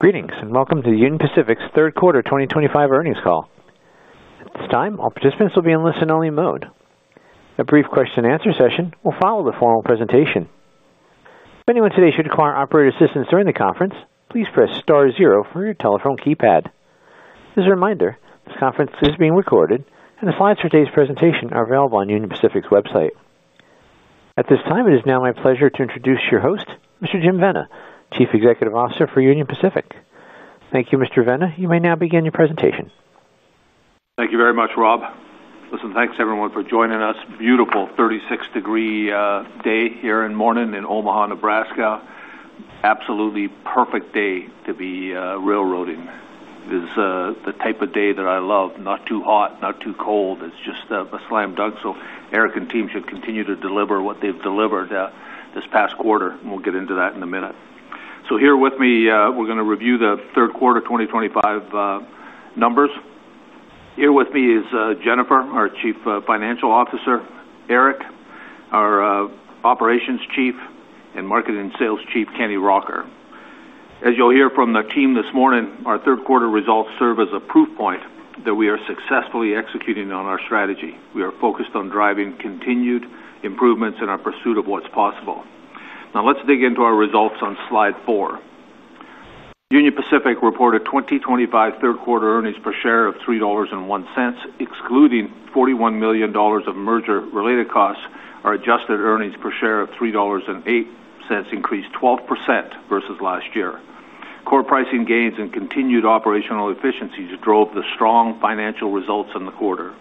Greetings and welcome to Union Pacific's third quarter 2025 earnings call. At this time, all participants will be in listen-only mode. A brief question and answer session will follow the formal presentation. If anyone today should require operator assistance during the conference, please press star zero on your telephone keypad. As a reminder, this conference is being recorded, and the slides for today's presentation are available on Union Pacific's website. At this time, it is now my pleasure to introduce your host, Mr. Jim Vena, Chief Executive Officer for Union Pacific. Thank you, Mr. Vena. You may now begin your presentation. Thank you very much, Rob. Thanks everyone for joining us. Beautiful 36-degree day here in the morning in Omaha, Nebraska. An absolutely perfect day to be railroading. It is the type of day that I love. Not too hot, not too cold. It's just a slam dunk. Eric and the team should continue to deliver what they've delivered this past quarter. We'll get into that in a minute. Here with me, we're going to review the third quarter 2025 numbers. Here with me is Jennifer, our Chief Financial Officer, Eric, our Operations Chief, and Marketing Sales Chief Kenny Rocker. As you'll hear from the team this morning, our third quarter results serve as a proof point that we are successfully executing on our strategy. We are focused on driving continued improvements in our pursuit of what's possible. Now let's dig into our results on slide four. Union Pacific reported 2025 third quarter earnings per share of $3.01. Excluding $41 million of merger-related costs, our adjusted earnings per share of $3.08 increased 12% versus last year. Core pricing gains and continued operational efficiencies drove the strong financial results in the quarter.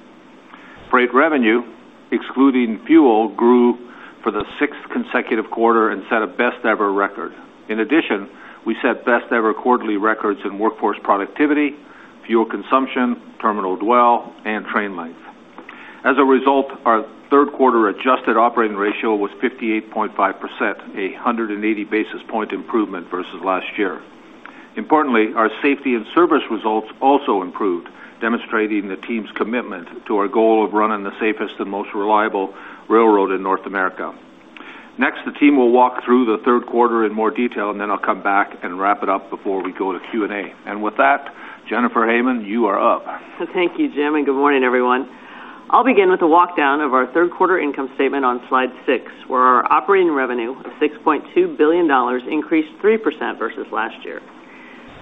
Freight revenue, excluding fuel, grew for the sixth consecutive quarter and set a best-ever record. In addition, we set best-ever quarterly records in Workforce Productivity, Fuel Consumption, Terminal Dwell, and Train Length. As a result, our third quarter adjusted Operating Ratio was 58.5%, a 180 basis point improvement versus last year. Importantly, our safety and service results also improved, demonstrating the team's commitment to our goal of running the safest and most reliable railroad in North America. Next, the team will walk through the third quarter in more detail, and then I'll come back and wrap it up before we go to Q&A. With that, Jennifer Hamann, you are up. Thank you, Jim, and good morning, everyone. I'll begin with a walkdown of our third quarter income statement on slide six, where our operating revenue of $6.2 billion increased 3% versus last year.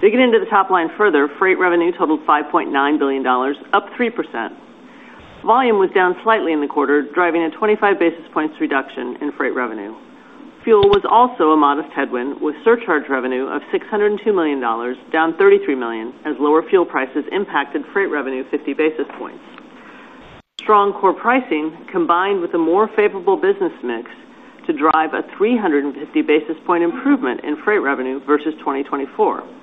Digging into the top line further, freight revenue totaled $5.9 billion, up 3%. Volume was down slightly in the quarter, driving a 25 basis points reduction in freight revenue. Fuel was also a modest headwind, with surcharge revenue of $602 million down $33 million, as lower fuel prices impacted freight revenue 50 basis points. Strong core pricing combined with a more favorable business mix to drive a 350 basis point improvement in freight revenue versus 2024.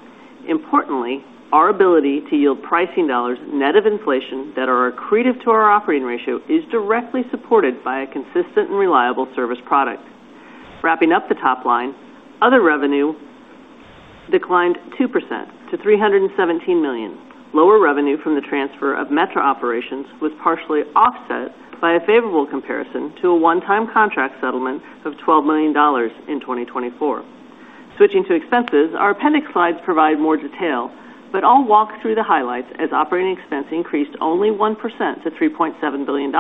Importantly, our ability to yield pricing dollars net of inflation that are accretive to our Operating Ratio is directly supported by a consistent and reliable service product. Wrapping up the top line, other revenue declined 2% to $317 million. Lower revenue from the transfer of metro operations was partially offset by a favorable comparison to a one-time contract settlement of $12 million in 2024. Switching to expenses, our appendix slides provide more detail, but I'll walk through the highlights as operating expense increased only 1% to $3.7 billion.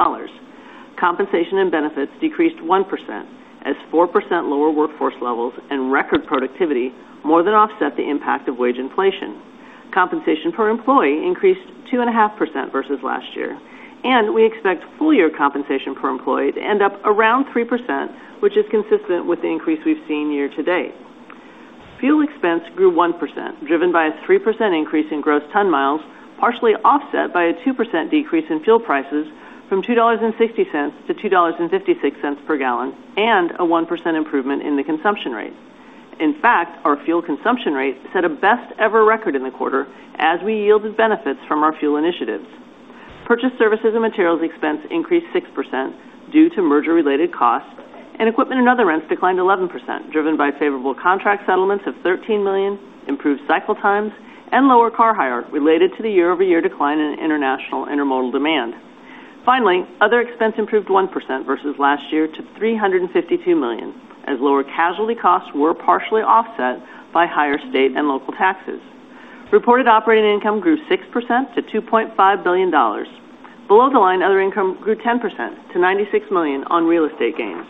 Compensation and benefits decreased 1%, as 4% lower workforce levels and record productivity more than offset the impact of wage inflation. Compensation per employee increased 2.5% versus last year, and we expect full-year compensation per employee to end up around 3%, which is consistent with the increase we've seen year to date. Fuel expense grew 1%, driven by a 3% increase in gross ton miles, partially offset by a 2% decrease in fuel prices from $2.60 to $2.56 per gallon, and a 1% improvement in the consumption rate. In fact, our fuel consumption rate set a best-ever record in the quarter as we yielded benefits from our fuel initiatives. Purchase services and materials expense increased 6% due to merger-related costs, and equipment and other rents declined 11%, driven by favorable contract settlements of $13 million, improved cycle times, and lower car hire related to the year-over-year decline in international intermodal demand. Finally, other expense improved 1% versus last year to $352 million, as lower casualty costs were partially offset by higher state and local taxes. Reported operating income grew 6% to $2.5 billion. Below the line, other income grew 10% to $96 million on real estate gains.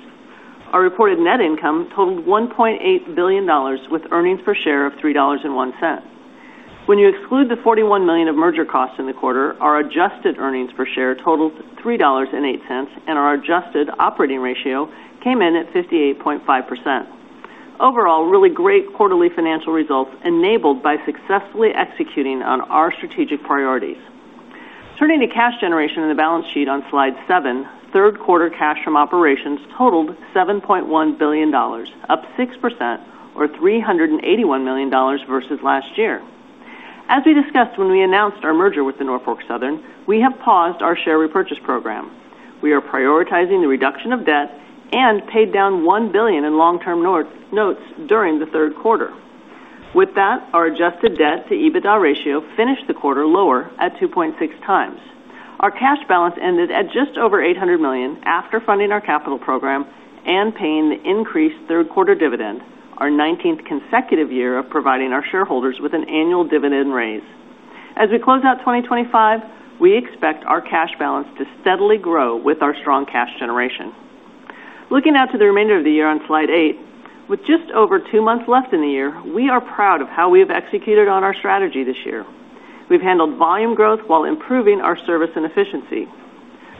Our reported net income totaled $1.8 billion, with earnings per share of $3.01. When you exclude the $41 million of merger costs in the quarter, our adjusted earnings per share totaled $3.08, and our adjusted Operating Ratio came in at 58.5%. Overall, really great quarterly financial results enabled by successfully executing on our strategic priorities. Turning to cash generation in the balance sheet on slide seven, third quarter cash from operations totaled $7.1 billion, up 6% or $381 million versus last year. As we discussed when we announced our merger with Norfolk Southern, we have paused our share repurchase program. We are prioritizing the reduction of debt and paid down $1 billion in long-term notes during the third quarter. With that, our adjusted debt to EBITDA ratio finished the quarter lower at 2.6x. Our cash balance ended at just over $800 million after funding our capital program and paying the increased third quarter dividend, our 19th consecutive year of providing our shareholders with an annual dividend raise. As we close out 2025, we expect our cash balance to steadily grow with our strong cash generation. Looking out to the remainder of the year on slide eight, with just over two months left in the year, we are proud of how we have executed on our strategy this year. We've handled volume growth while improving our service and efficiency.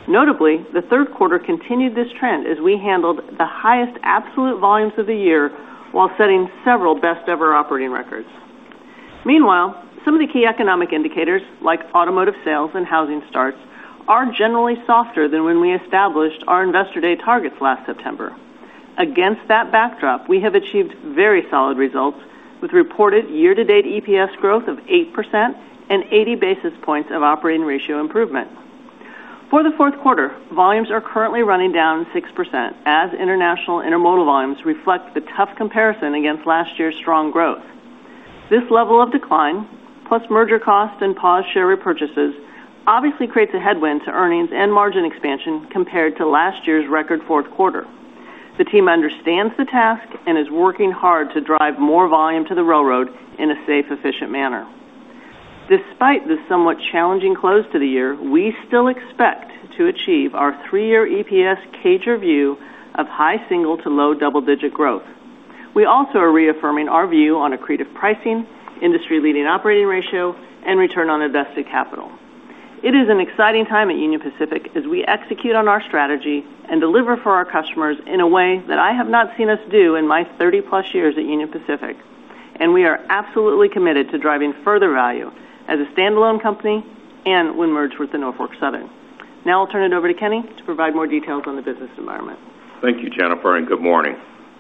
Notably, the third quarter continued this trend as we handled the highest absolute volumes of the year while setting several best-ever operating records. Meanwhile, some of the key economic indicators, like automotive sales and housing starts, are generally softer than when we established our Investor Day targets last September. Against that backdrop, we have achieved very solid results with reported year-to-date EPS growth of 8% and 80 basis points of Operating Ratio improvement. For the fourth quarter, volumes are currently running down 6% as international intermodal volumes reflect the tough comparison against last year's strong growth. This level of decline, plus merger costs and paused share repurchases, obviously creates a headwind to earnings and margin expansion compared to last year's record fourth quarter. The team understands the task and is working hard to drive more volume to the railroad in a safe, efficient manner. Despite this somewhat challenging close to the year, we still expect to achieve our three-year EPS CAGR view of high single to low double-digit growth. We also are reaffirming our view on accretive pricing, industry-leading Operating Ratio, and return on invested capital. It is an exciting time at Union Pacific as we execute on our strategy and deliver for our customers in a way that I have not seen us do in my 30+ years at Union Pacific. We are absolutely committed to driving further value as a standalone company and when merged with Norfolk Southern. Now I'll turn it over to Kenny to provide more details on the business environment. Thank you, Jennifer, and good morning.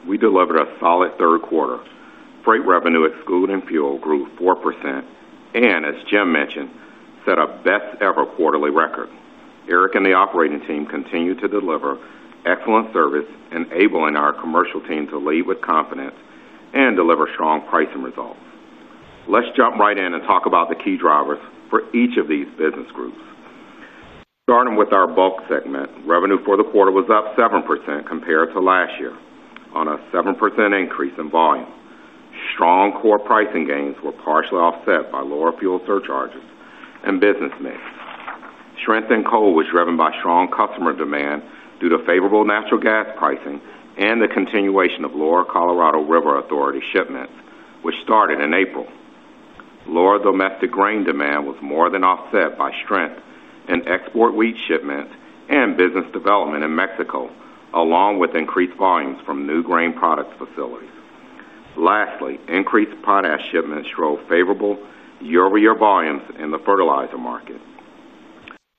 We delivered a solid third quarter. Freight revenue, excluding fuel, grew 4% and, as Jim mentioned, set a best-ever quarterly record. Eric and the operating team continue to deliver excellent service, enabling our commercial team to lead with confidence and deliver strong pricing results. Let's jump right in and talk about the key drivers for each of these business groups. Starting with our Bulk segment, revenue for the quarter was up 7% compared to last year on a 7% increase in volume. Strong core pricing gains were partially offset by lower fuel surcharges and business mix. Strength in coal was driven by strong customer demand due to favorable natural gas pricing and the continuation of Lower Colorado River Authority shipments, which started in April. Lower domestic grain demand was more than offset by strength in export wheat shipments and business development in Mexico, along with increased volumes from new grain products facilities. Lastly, increased potash shipments drove favorable year-over-year volumes in the fertilizer market.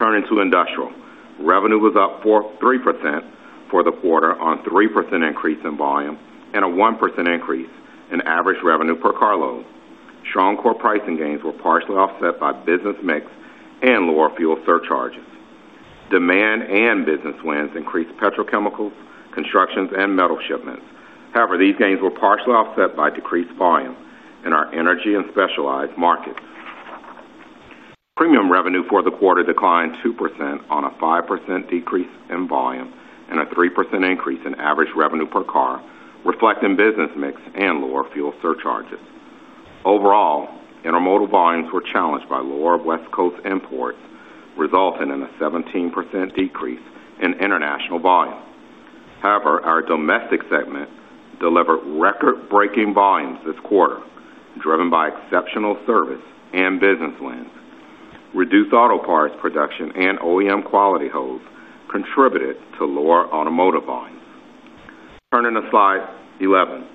Turning to Industrial, revenue was up 3% for the quarter on a 3% increase in volume and a 1% increase in average revenue per carload. Strong core pricing gains were partially offset by business mix and lower fuel surcharges. Demand and business wins increased petrochemicals, constructions, and metal shipments. However, these gains were partially offset by decreased volume in our energy and specialized markets. Premium revenue for the quarter declined 2% on a 5% decrease in volume and a 3% increase in average revenue per car, reflecting business mix and lower fuel surcharges. Overall, intermodal volumes were challenged by lower West Coast imports, resulting in a 17% decrease in international volume. However, our domestic segment delivered record-breaking volumes this quarter, driven by exceptional service and business wins. Reduced auto parts production and OEM quality holds contributed to lower automotive volumes. Turning to slide 11,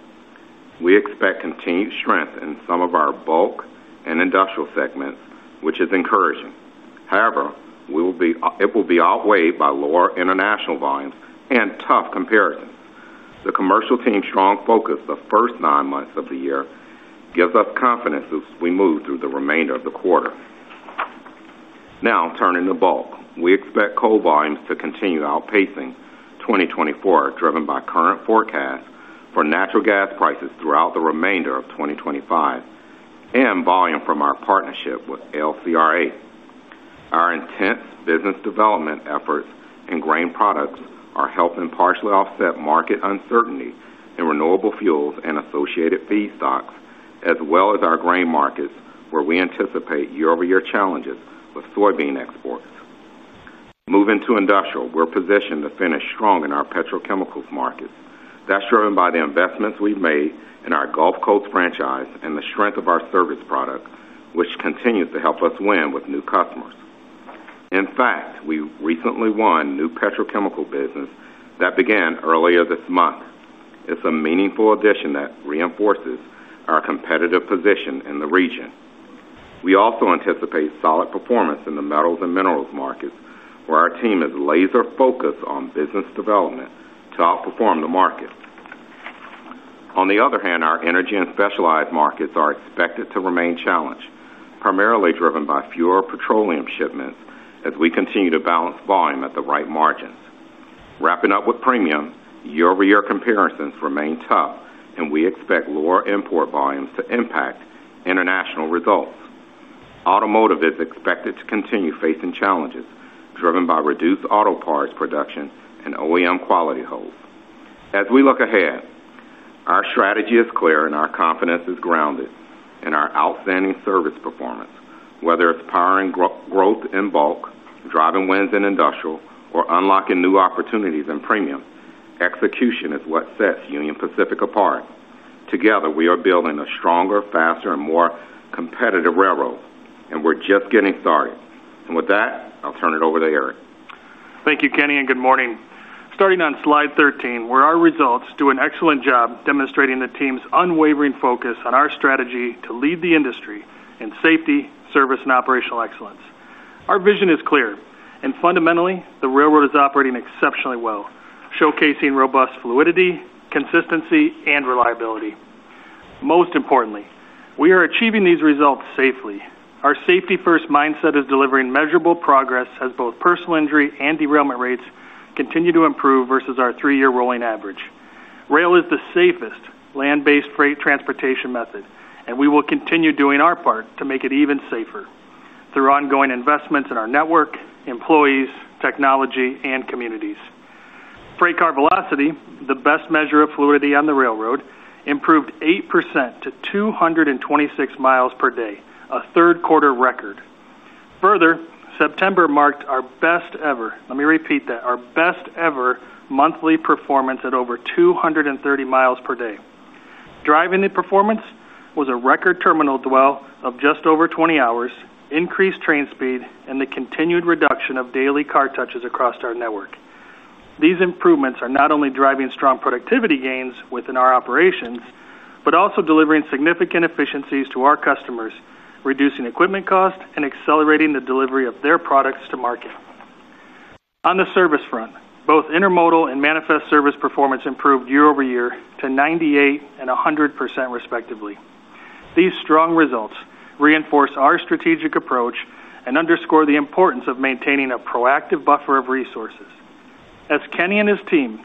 we expect continued strength in some of our Bulk and Industrial segments, which is encouraging. However, it will be outweighed by lower international volumes and tough comparisons. The commercial team's strong focus the first nine months of the year gives us confidence as we move through the remainder of the quarter. Now turning to Bulk, we expect coal volumes to continue outpacing 2024, driven by current forecasts for natural gas prices throughout the remainder of 2025 and volume from our partnership with LCRA. Our intense business development efforts in grain products are helping partially offset market uncertainty in renewable fuels and associated feedstocks, as well as our grain markets, where we anticipate year-over-year challenges with soybean exports. Moving to Industrial, we're positioned to finish strong in our petrochemicals markets. That is driven by the investments we've made in our Gulf Coast franchise and the strength of our service product, which continues to help us win with new customers. In fact, we recently won a new petrochemical business that began earlier this month. It's a meaningful addition that reinforces our competitive position in the region. We also anticipate solid performance in the metals and minerals markets, where our team is laser-focused on business development to outperform the market. On the other hand, our energy and specialized markets are expected to remain challenged, primarily driven by fewer petroleum shipments as we continue to balance volume at the right margins. Wrapping up with premium, year-over-year comparisons remain tough, and we expect lower import volumes to impact international results. Automotive is expected to continue facing challenges, driven by reduced auto parts production and OEM quality holds. As we look ahead, our strategy is clear and our confidence is grounded in our outstanding service performance. Whether it's powering growth in Bulk, driving wins in Industrial, or unlocking new opportunities in Premium, execution is what sets Union Pacific apart. Together, we are building a stronger, faster, and more competitive railroad, and we're just getting started. With that, I'll turn it over to Eric. Thank you, Kenny, and good morning. Starting on slide 13, where our results do an excellent job demonstrating the team's unwavering focus on our strategy to lead the industry in safety, service, and operational excellence. Our vision is clear, and fundamentally, the railroad is operating exceptionally well, showcasing robust fluidity, consistency, and reliability. Most importantly, we are achieving these results safely. Our safety-first mindset is delivering measurable progress as both personal injury and derailment rates continue to improve versus our three-year rolling average. Rail is the safest land-based freight transportation method, and we will continue doing our part to make it even safer through ongoing investments in our network, employees, technology, and communities. Freight car velocity, the best measure of fluidity on the railroad, improved 8% to 226 miles per day, a third-quarter record. Further, September marked our best-ever, let me repeat that, our best-ever monthly performance at over 230 miles per day. Driving the performance was a record terminal dwell of just over 20 hours, increased train speed, and the continued reduction of daily car touches across our network. These improvements are not only driving strong productivity gains within our operations, but also delivering significant efficiencies to our customers, reducing equipment costs, and accelerating the delivery of their products to market. On the service front, both intermodal and manifest service performance improved year-over-year to 98% and 100% respectively. These strong results reinforce our strategic approach and underscore the importance of maintaining a proactive buffer of resources. As Kenny and his team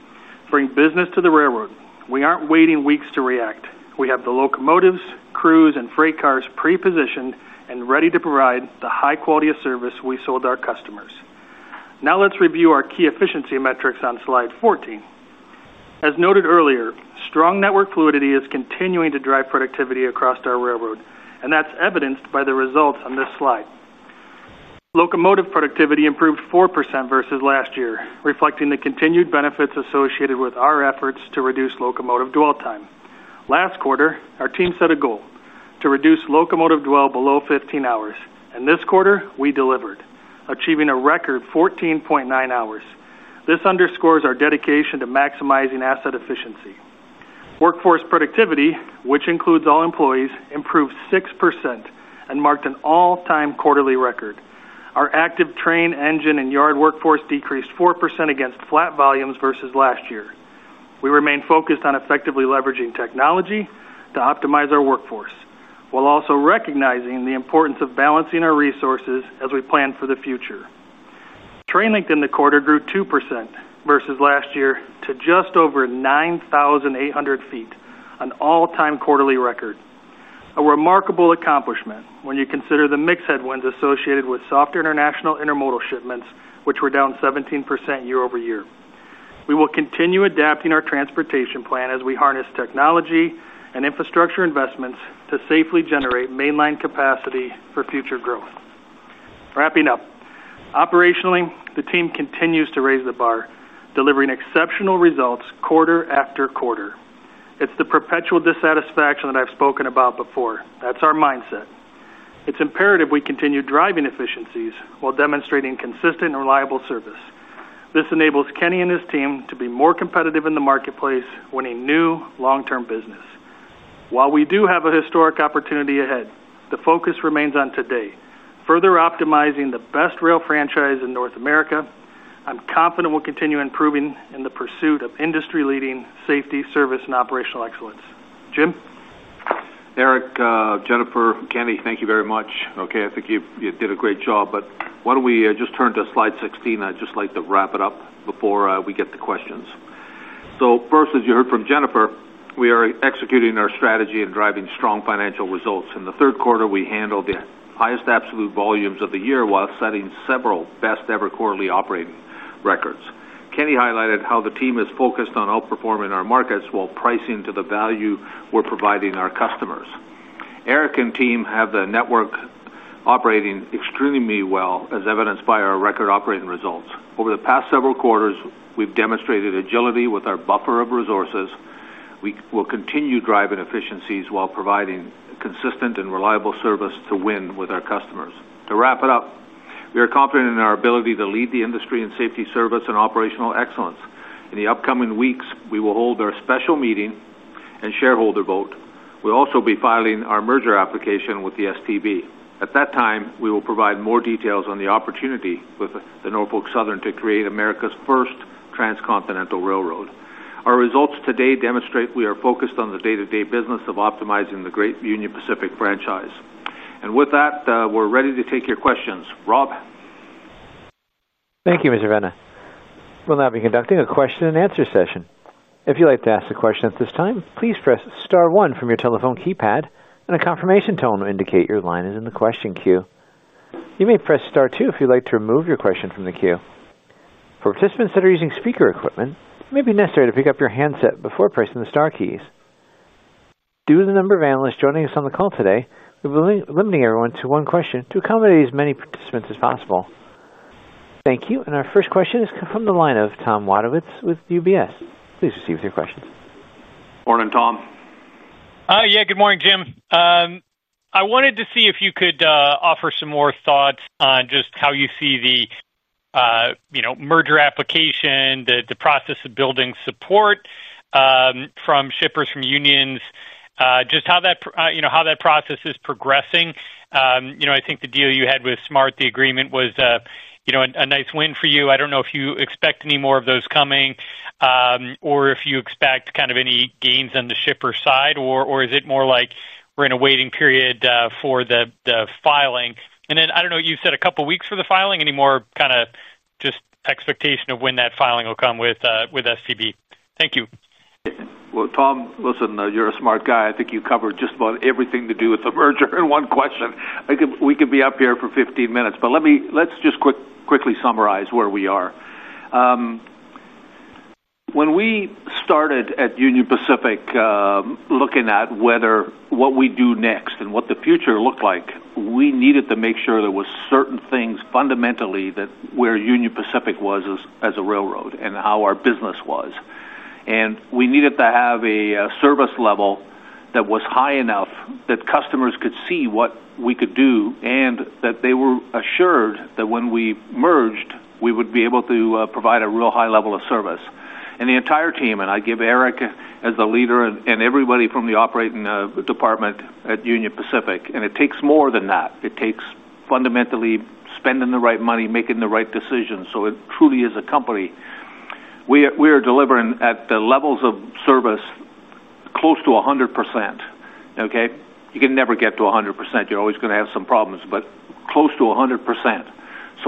bring business to the railroad, we aren't waiting weeks to react. We have the locomotives, crews, and freight cars pre-positioned and ready to provide the high quality of service we sold our customers. Now let's review our key efficiency metrics on slide 14. As noted earlier, strong network fluidity is continuing to drive productivity across our railroad, and that's evidenced by the results on this slide. Locomotive productivity improved 4% versus last year, reflecting the continued benefits associated with our efforts to reduce locomotive dwell time. Last quarter, our team set a goal to reduce locomotive dwell below 15 hours, and this quarter we delivered, achieving a record 14.9 hours. This underscores our dedication to maximizing asset efficiency. Workforce productivity, which includes all employees, improved 6% and marked an all-time quarterly record. Our active train, engine, and yard workforce decreased 4% against flat volumes versus last year. We remain focused on effectively leveraging technology to optimize our workforce, while also recognizing the importance of balancing our resources as we plan for the future. Train length in the quarter grew 2% versus last year to just over 9,800 ft, an all-time quarterly record. A remarkable accomplishment when you consider the mixed headwinds associated with softer international intermodal shipments, which were down 17% year-over-year. We will continue adapting our transportation plan as we harness technology and infrastructure investments to safely generate mainline capacity for future growth. Wrapping up, operationally, the team continues to raise the bar, delivering exceptional results quarter after quarter. It's the perpetual dissatisfaction that I've spoken about before. That's our mindset. It's imperative we continue driving efficiencies while demonstrating consistent and reliable service. This enables Kenny and his team to be more competitive in the marketplace, winning new long-term business. While we do have a historic opportunity ahead, the focus remains on today, further optimizing the best rail franchise in North America. I'm confident we'll continue improving in the pursuit of industry-leading safety, service, and operational excellence. Jim? Eric, Jennifer, Kenny, thank you very much. Okay, I think you did a great job, but why don't we just turn to slide 16? I'd just like to wrap it up before we get the questions. First, as you heard from Jennifer, we are executing our strategy and driving strong financial results. In the third quarter, we handled the highest absolute volumes of the year while setting several best-ever quarterly operating records. Kenny highlighted how the team is focused on outperforming our markets while pricing to the value we're providing our customers. Eric and the team have the network operating extremely well, as evidenced by our record operating results. Over the past several quarters, we've demonstrated agility with our buffer of resources. We will continue driving efficiencies while providing consistent and reliable service to win with our customers. To wrap it up, we are confident in our ability to lead the industry in safety, service, and operational excellence. In the upcoming weeks, we will hold our special meeting and shareholder vote. We'll also be filing our merger application with the STB. At that time, we will provide more details on the opportunity with Norfolk Southern to create America's first transcontinental railroad. Our results today demonstrate we are focused on the day-to-day business of optimizing the great Union Pacific franchise. With that, we're ready to take your questions. Rob? Thank you, Mr. Vena. We'll now be conducting a question and answer session. If you'd like to ask a question at this time, please press star one from your telephone keypad and a confirmation tone to indicate your line is in the question queue. You may press star two if you'd like to remove your question from the queue. For participants that are using speaker equipment, it may be necessary to pick up your handset before pressing the star keys. Due to the number of analysts joining us on the call today, we're limiting everyone to one question to accommodate as many participants as possible. Thank you. Our first question is from the line of Tom Wadewitz with UBS. Please proceed with your questions. Morning, Tom. Good morning, Jim. I wanted to see if you could offer some more thoughts on just how you see the merger application, the process of building support from shippers, from unions, just how that process is progressing. I think the deal you had with SMART-TD, the agreement was a nice win for you. I don't know if you expect any more of those coming, or if you expect any gains on the shipper side, or is it more like we're in a waiting period for the filing? I don't know, you said a couple of weeks for the filing. Any more expectation of when that filing will come with the STB? Thank you. Tom, you're a smart guy. I think you covered just about everything to do with the merger in one question. I could be up here for 15 minutes, but let me quickly summarize where we are. When we started at Union Pacific, looking at what we do next and what the future looked like, we needed to make sure there were certain things fundamentally about where Union Pacific was as a railroad and how our business was. We needed to have a service level that was high enough that customers could see what we could do and that they were assured that when we merged, we would be able to provide a real high level of service. The entire team, and I give Eric as the leader and everybody from the operating department at Union Pacific credit, and it takes more than that. It takes fundamentally spending the right money, making the right decisions. It truly is a company. We are delivering at the levels of service close to 100%. You can never get to 100%. You're always going to have some problems, but close to 100%.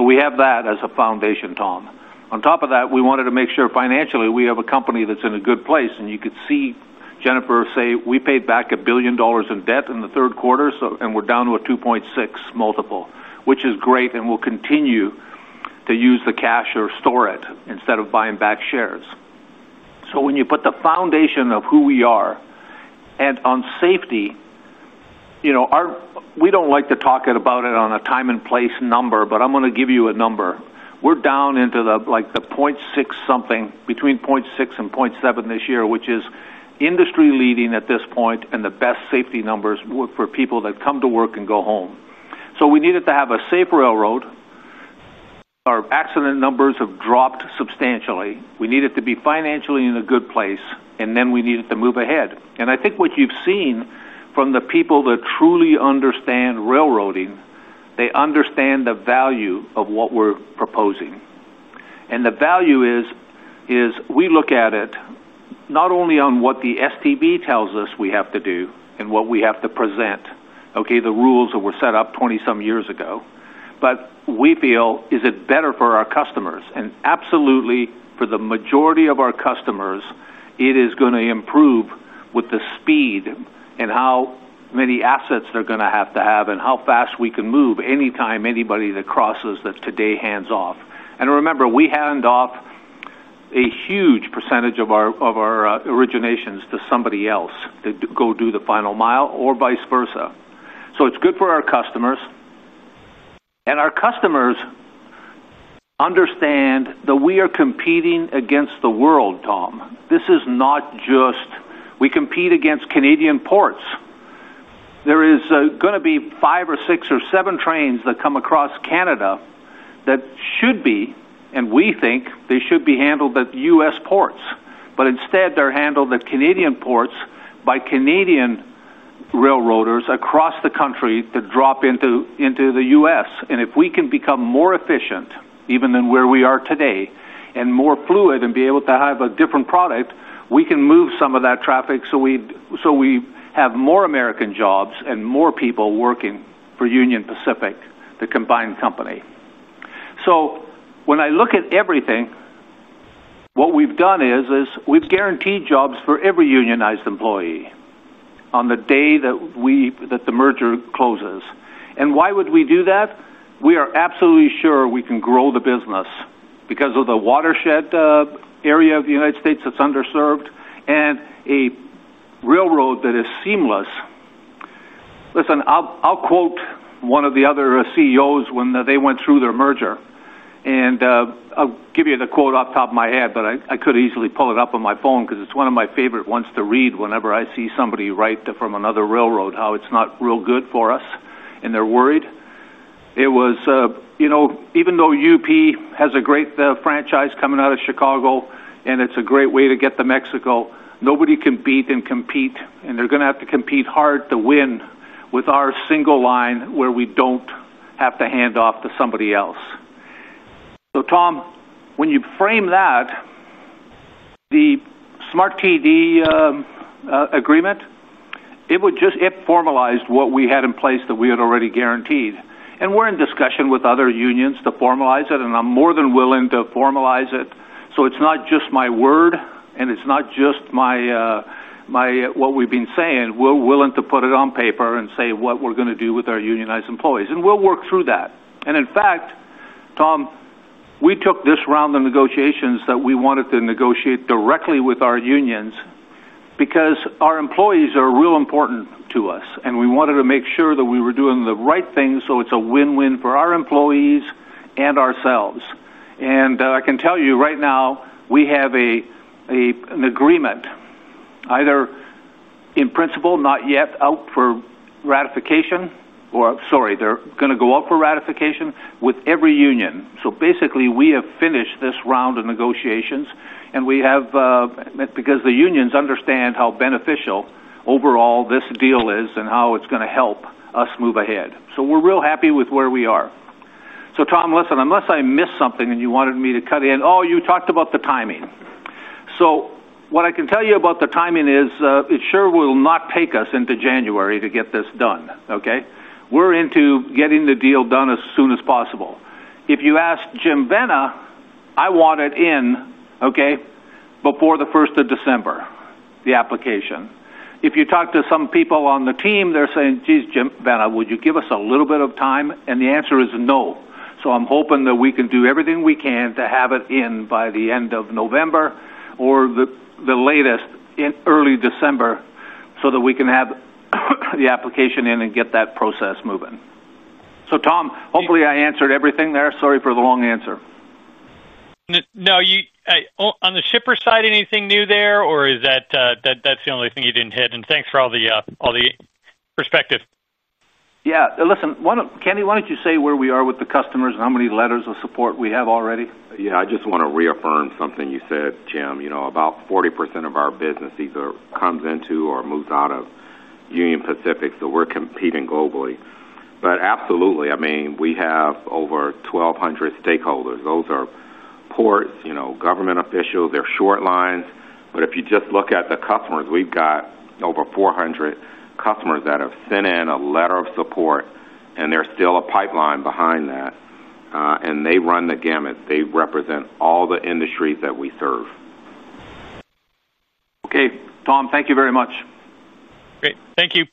We have that as a foundation, Tom. On top of that, we wanted to make sure financially we have a company that's in a good place. You could see Jennifer say we paid back $1 billion in debt in the third quarter, and we're down to a 2.6 multiple, which is great, and we'll continue to use the cash or store it instead of buying back shares. When you put the foundation of who we are and on safety, you know, we don't like to talk about it on a time and place number, but I'm going to give you a number. We're down into the 0.6 something, between 0.6 and 0.7 this year, which is industry-leading at this point and the best safety numbers for people that come to work and go home. We needed to have a safe railroad. Our accident numbers have dropped substantially. We needed to be financially in a good place, and then we needed to move ahead. I think what you've seen from the people that truly understand railroading, they understand the value of what we're proposing. The value is, we look at it not only on what the STB tells us we have to do and what we have to present, the rules that were set up 20-some years ago, but we feel, is it better for our customers? Absolutely, for the majority of our customers, it is going to improve with the speed and how many assets they're going to have to have and how fast we can move anytime anybody that crosses the today hands off. Remember, we hand off a huge percentage of our originations to somebody else to go do the final mile or vice versa. It is good for our customers. Our customers understand that we are competing against the world, Tom. This is not just we compete against Canadian ports. There are going to be five or six or seven trains that come across Canada that should be, and we think they should be handled at U.S. ports, but instead, they're handled at Canadian ports by Canadian railroaders across the country that drop into the U.S. If we can become more efficient even than where we are today and more fluid and be able to have a different product, we can move some of that traffic so we have more American jobs and more people working for Union Pacific, the combined company. When I look at everything, what we've done is we've guaranteed jobs for every unionized employee on the day that the merger closes. Why would we do that? We are absolutely sure we can grow the business because of the watershed area of the United States that's underserved and a railroad that is seamless. I will quote one of the other CEOs when they went through their merger. I will give you the quote off the top of my head, but I could easily pull it up on my phone because it's one of my favorite ones to read whenever I see somebody write from another railroad how it's not real good for us and they're worried. It was, you know, even though UP has a great franchise coming out of Chicago and it's a great way to get to Mexico, nobody can beat and compete, and they're going to have to compete hard to win with our single line where we do not have to hand off to somebody else. Tom, when you frame that, the SMART-TD agreement would just formalize what we had in place that we had already guaranteed. We are in discussion with other unions to formalize it, and I'm more than willing to formalize it. It is not just my word and it is not just my, my what we've been saying. We are willing to put it on paper and say what we're going to do with our unionized employees. We will work through that. In fact, Tom, we took this round of negotiations that we wanted to negotiate directly with our unions because our employees are real important to us, and we wanted to make sure that we were doing the right thing so it's a win-win for our employees and ourselves. I can tell you right now, we have an agreement either in principle not yet out for ratification or, sorry, they're going to go up for ratification with every union. Basically, we have finished this round of negotiations and we have, because the unions understand how beneficial overall this deal is and how it's going to help us move ahead. We're real happy with where we are. Tom, listen, unless I missed something and you wanted me to cut in, oh, you talked about the timing. What I can tell you about the timing is it sure will not take us into January to get this done. We're into getting the deal done as soon as possible. If you asked Jim Vena, I want it in, okay, before the 1st of December, the application. If you talk to some people on the team, they're saying, "Geez, Jim Vena, would you give us a little bit of time?" The answer is no. I'm hoping that we can do everything we can to have it in by the end of November or the latest in early December so that we can have the application in and get that process moving. Tom, hopefully I answered everything there. Sorry for the long answer. No, you on the shipper side, anything new there, or is that the only thing you didn't hit? Thanks for all the perspective. Yeah. Listen, Kenny, why don't you say where we are with the customers and how many letters of support we have already? Yeah, I just want to reaffirm something you said, Jim, you know, about 40% of our business either comes into or moves out of Union Pacific. We're competing globally. Absolutely, I mean, we have over 1,200 stakeholders. Those are ports, government officials, short lines. If you just look at the customers, we've got over 400 customers that have sent in a letter of support, and there's still a pipeline behind that. They run the gamut. They represent all the industries that we serve. Okay, Tom, thank you very much. Great, thank you.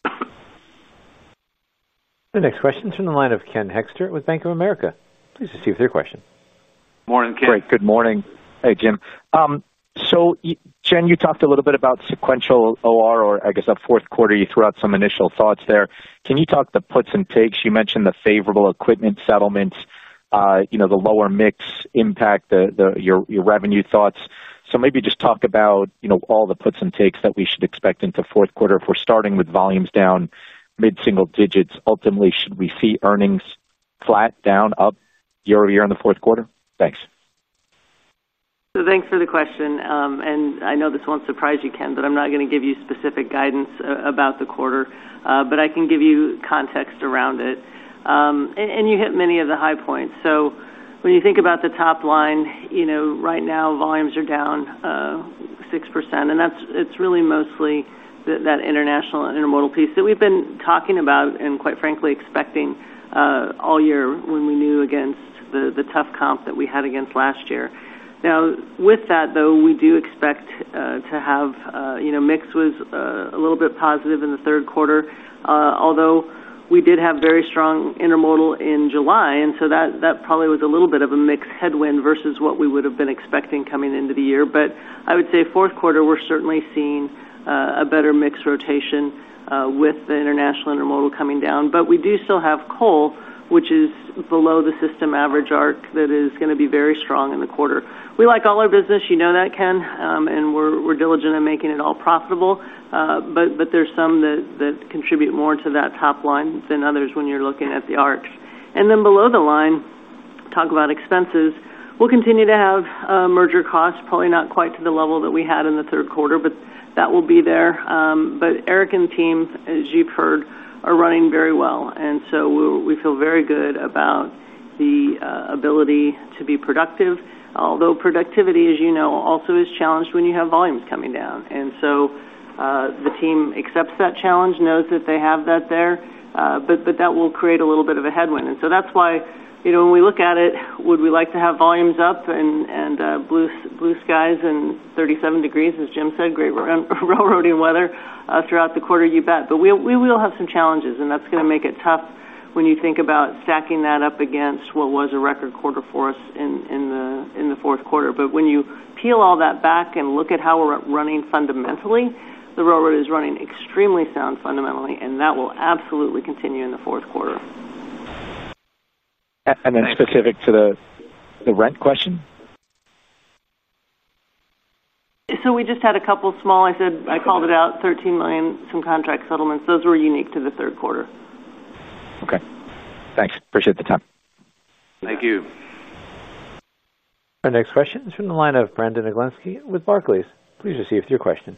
The next question is from the line of Ken Hoexter with Bank of America. Please proceed with your question. Morning, Ken. Good morning. Hey, Jim. Jen, you talked a little bit about sequential OR, or I guess a fourth quarter. You threw out some initial thoughts there. Can you talk the puts and takes? You mentioned the favorable equipment settlements, the lower mix impact, your revenue thoughts. Maybe just talk about all the puts and takes that we should expect into fourth quarter. If we're starting with volumes down mid-single digits, ultimately, should we see earnings flat, down, up year-over-year in the fourth quarter? Thanks. Thanks for the question. I know this won't surprise you, Ken, but I'm not going to give you specific guidance about the quarter. I can give you context around it. You hit many of the high points. When you think about the top line, right now, volumes are down 6%. It's really mostly that international and intermodal piece that we've been talking about and quite frankly expecting all year when we knew against the tough comp that we had against last year. With that, though, we do expect to have mix was a little bit positive in the third quarter, although we did have very strong intermodal in July. That probably was a little bit of a mixed headwind versus what we would have been expecting coming into the year. I would say fourth quarter, we're certainly seeing a better mix rotation, with the international intermodal coming down. We do still have coal, which is below the system average arc that is going to be very strong in the quarter. We like all our business, you know that, Ken, and we're diligent in making it all profitable, but there's some that contribute more to that top line than others when you're looking at the arcs. Below the line, talk about expenses. We'll continue to have merger costs, probably not quite to the level that we had in the third quarter, but that will be there. Eric and the team, as you've heard, are running very well. We feel very good about the ability to be productive, although productivity, as you know, also is challenged when you have volumes coming down. The team accepts that challenge, knows that they have that there, but that will create a little bit of a headwind. That's why, when we look at it, would we like to have volumes up and blue skies and 37 degrees, as Jim said, great railroading weather, throughout the quarter? You bet. We will have some challenges, and that's going to make it tough when you think about stacking that up against what was a record quarter for us in the fourth quarter. When you peel all that back and look at how we're running fundamentally, the railroad is running extremely sound fundamentally, and that will absolutely continue in the fourth quarter. Specific to the rent question? We just had a couple small, I said, I called it out, $13 million some contract settlements. Those were unique to the third quarter. Okay, thanks. Appreciate the time. Thank you. Our next question is from the line of Brandon Oglenski with Barclays. Please proceed with your question.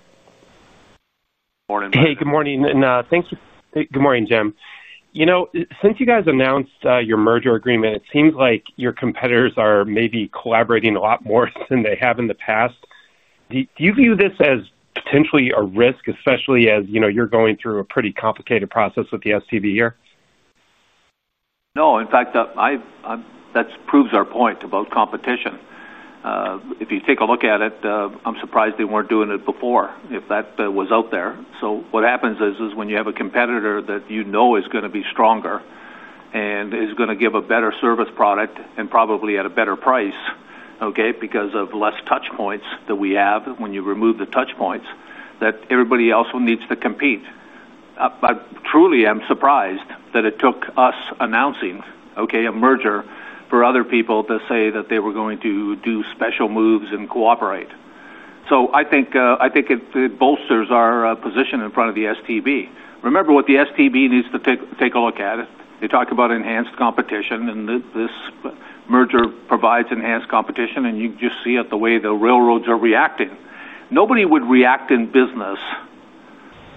Hey, good morning. Thank you. Good morning, Jim. You know, since you guys announced your merger agreement, it seems like your competitors are maybe collaborating a lot more than they have in the past. Do you view this as potentially a risk, especially as you know you're going through a pretty complicated process with the STB here? No. In fact, that proves our point about competition. If you take a look at it, I'm surprised they weren't doing it before if that was out there. What happens is when you have a competitor that you know is going to be stronger and is going to give a better service product and probably at a better price, because of fewer touch points that we have, when you remove the touch points, everybody else needs to compete. I truly am surprised that it took us announcing a merger for other people to say that they were going to do special moves and cooperate. I think it bolsters our position in front of the STB. Remember what the STB needs to take a look at. They talk about enhanced competition, and this merger provides enhanced competition. You just see it the way the railroads are reacting. Nobody would react in business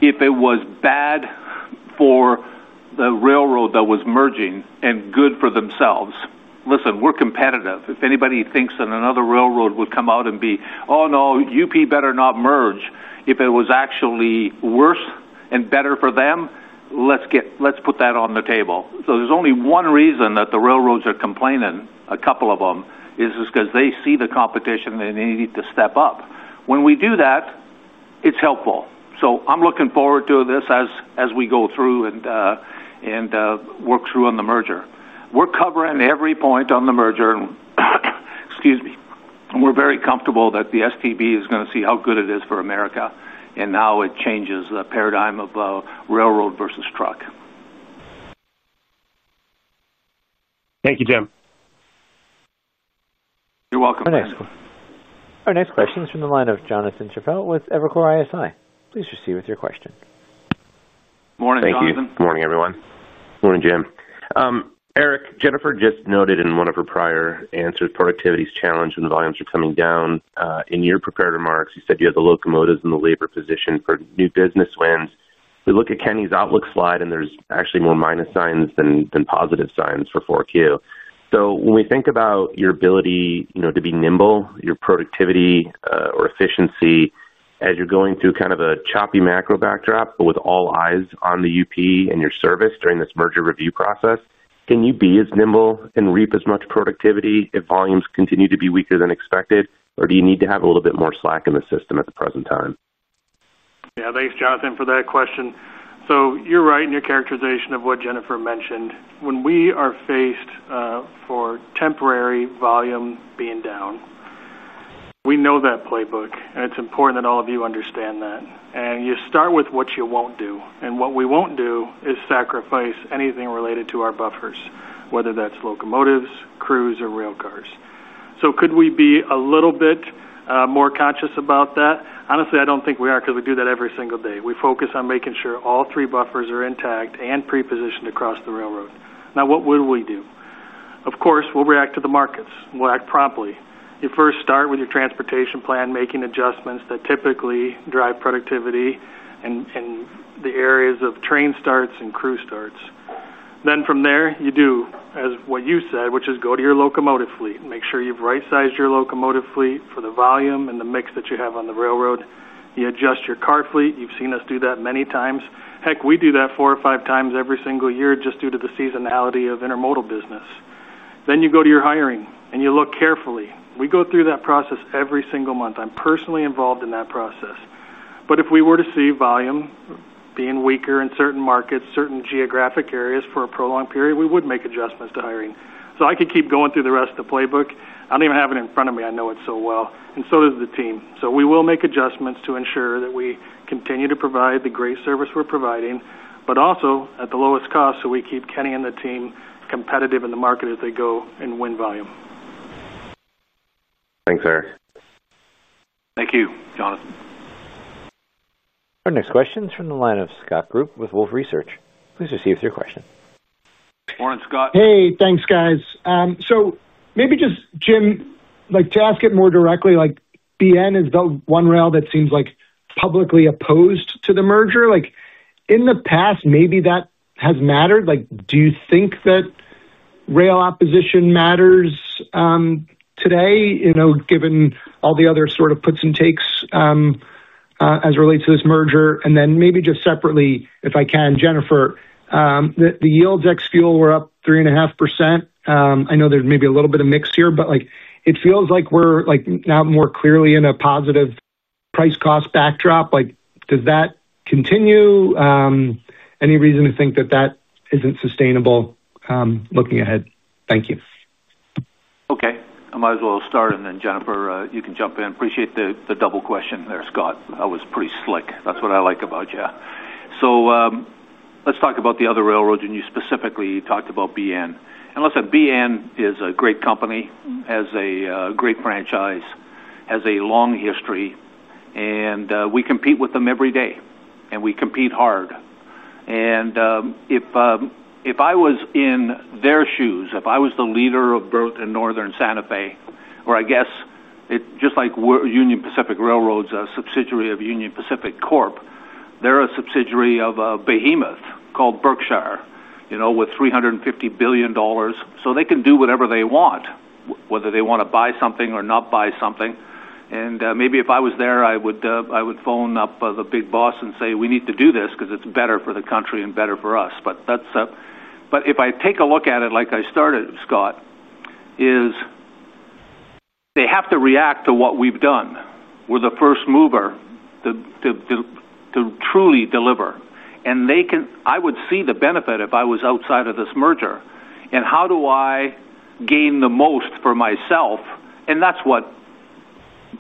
if it was bad for the railroad that was merging and good for themselves. We're competitive. If anybody thinks that another railroad would come out and be, "Oh, no, UP better not merge," if it was actually worse and better for them, let's put that on the table. There's only one reason that the railroads are complaining, a couple of them, because they see the competition and they need to step up. When we do that, it's helpful. I'm looking forward to this as we go through and work through on the merger. We're covering every point on the merger. We're very comfortable that the STB is going to see how good it is for America and how it changes the paradigm of railroad versus truck. Thank you, Jim. You're welcome. Our next question is from the line of Jonathan Chappelle with Evercore ISI. Please proceed with your question. Morning, Jonathan. Morning, everyone. Morning, Jim. Eric, Jennifer just noted in one of her prior answers, productivity is challenged when volumes are coming down. In your prepared remarks, you said you had the locomotives in the labor position for new business wins. We look at Kenny's outlook slide, and there's actually more minus signs than positive signs for 4Q. When we think about your ability to be nimble, your productivity, or efficiency as you're going through kind of a choppy macro backdrop, with all eyes on the UP and your service during this merger review process, can you be as nimble and reap as much productivity if volumes continue to be weaker than expected, or do you need to have a little bit more slack in the system at the present time? Yeah, thanks, Jonathan, for that question. You're right in your characterization of what Jennifer mentioned. When we are faced with temporary volume being down, we know that playbook, and it's important that all of you understand that. You start with what you won't do. What we won't do is sacrifice anything related to our buffers, whether that's locomotives, crews, or railcars. Could we be a little bit more conscious about that? Honestly, I don't think we are because we do that every single day. We focus on making sure all three buffers are intact and pre-positioned across the railroad. Now, what would we do? Of course, we'll react to the markets. We'll act promptly. You first start with your transportation plan, making adjustments that typically drive productivity in the areas of train starts and crew starts. From there, you do as you said, which is go to your locomotive fleet. Make sure you've right-sized your locomotive fleet for the volume and the mix that you have on the railroad. You adjust your car fleet. You've seen us do that many times. We do that four or five times every single year just due to the seasonality of intermodal business. You go to your hiring, and you look carefully. We go through that process every single month. I'm personally involved in that process. If we were to see volume being weaker in certain markets, certain geographic areas for a prolonged period, we would make adjustments to hiring. I could keep going through the rest of the playbook. I don't even have it in front of me. I know it so well, and so does the team. We will make adjustments to ensure that we continue to provide the great service we're providing, but also at the lowest cost so we keep Kenny and the team competitive in the market as they go and win volume. Thanks, Eric. Thank you, Jonathan. Our next question is from the line of Scott Group with Wolfe Research. Please proceed with your question. Morning, Scott. Hey, thanks, guys. Maybe just, Jim, like to ask it more directly, like BN is the one rail that seems like publicly opposed to the merger. In the past, maybe that has mattered. Do you think that rail opposition matters today, given all the other sort of puts and takes as it relates to this merger? Maybe just separately, if I can, Jennifer, the yields ex-fuel were up 3.5%. I know there's maybe a little bit of mix here, but it feels like we're now more clearly in a positive price-cost backdrop. Does that continue? Any reason to think that that isn't sustainable, looking ahead? Thank you. Okay. I might as well start, and then Jennifer, you can jump in. Appreciate the double question there, Scott. That was pretty slick. That's what I like about you. Let's talk about the other railroads, and you specifically talked about BN. Listen, BN is a great company, has a great franchise, has a long history, and we compete with them every day. We compete hard. If I was in their shoes, if I was the leader of Burlington Northern Santa Fe, or I guess just like we're Union Pacific Railroad, a subsidiary of Union Pacific Corp, they're a subsidiary of a behemoth called Berkshire, you know, with $350 billion. They can do whatever they want, whether they want to buy something or not buy something. Maybe if I was there, I would phone up the big boss and say, "We need to do this because it's better for the country and better for us." If I take a look at it like I started, Scott, they have to react to what we've done. We're the first mover to truly deliver. I would see the benefit if I was outside of this merger. How do I gain the most for myself? That's what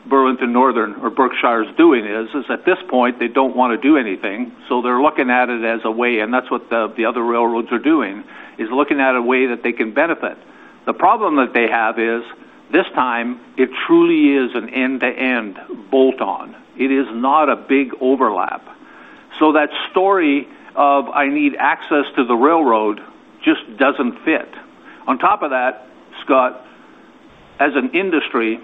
Burlington Northern or Berkshire is doing. At this point, they don't want to do anything. They're looking at it as a way, and that's what the other railroads are doing, looking at a way that they can benefit. The problem that they have is this time, it truly is an end-to-end bolt-on. It is not a big overlap. That story of, "I need access to the railroad," just doesn't fit. On top of that, Scott, as an industry,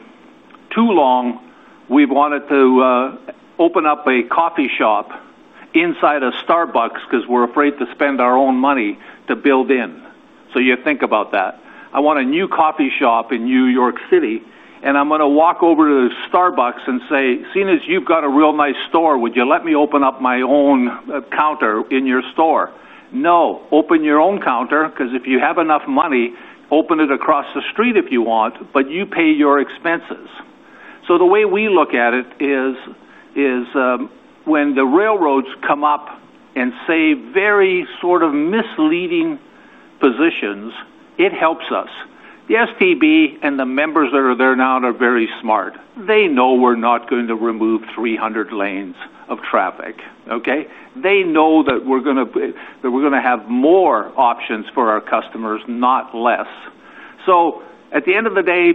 too long, we've wanted to open up a coffee shop inside a Starbucks because we're afraid to spend our own money to build in. Think about that. I want a new coffee shop in New York City, and I'm going to walk over to Starbucks and say, "Seeing as you've got a real nice store, would you let me open up my own counter in your store?" No, open your own counter because if you have enough money, open it across the street if you want, but you pay your expenses. The way we look at it is, when the railroads come up and say very sort of misleading positions, it helps us. The STB and the members that are there now are very smart. They know we're not going to remove 300 lanes of traffic. They know that we're going to have more options for our customers, not less. At the end of the day,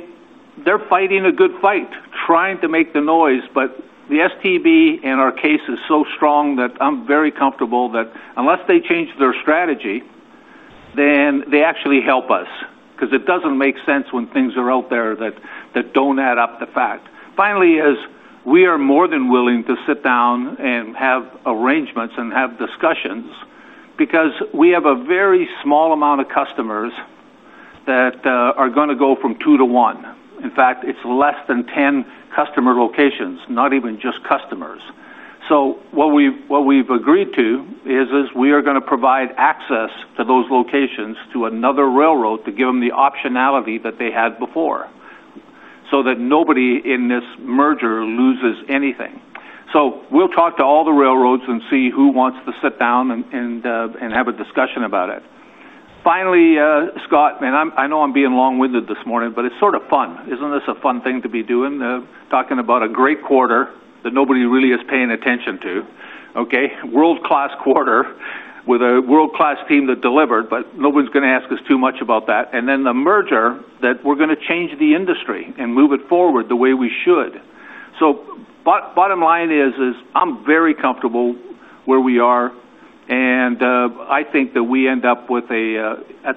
they're fighting a good fight, trying to make the noise, but the STB, in our case, is so strong that I'm very comfortable that unless they change their strategy, they actually help us because it doesn't make sense when things are out there that don't add up to fact. Finally, we are more than willing to sit down and have arrangements and have discussions because we have a very small amount of customers that are going to go from two to one. In fact, it's less than 10 customer locations, not even just customers. What we've agreed to is we are going to provide access to those locations to another railroad to give them the optionality that they had before so that nobody in this merger loses anything. We'll talk to all the railroads and see who wants to sit down and have a discussion about it. Finally, Scott, and I know I'm being long-winded this morning, but it's sort of fun. Isn't this a fun thing to be doing, talking about a great quarter that nobody really is paying attention to? World-class quarter with a world-class team that delivered, but nobody's going to ask us too much about that. Then the merger that we're going to change the industry and move it forward the way we should. Bottom line is, I'm very comfortable where we are, and I think that we end up at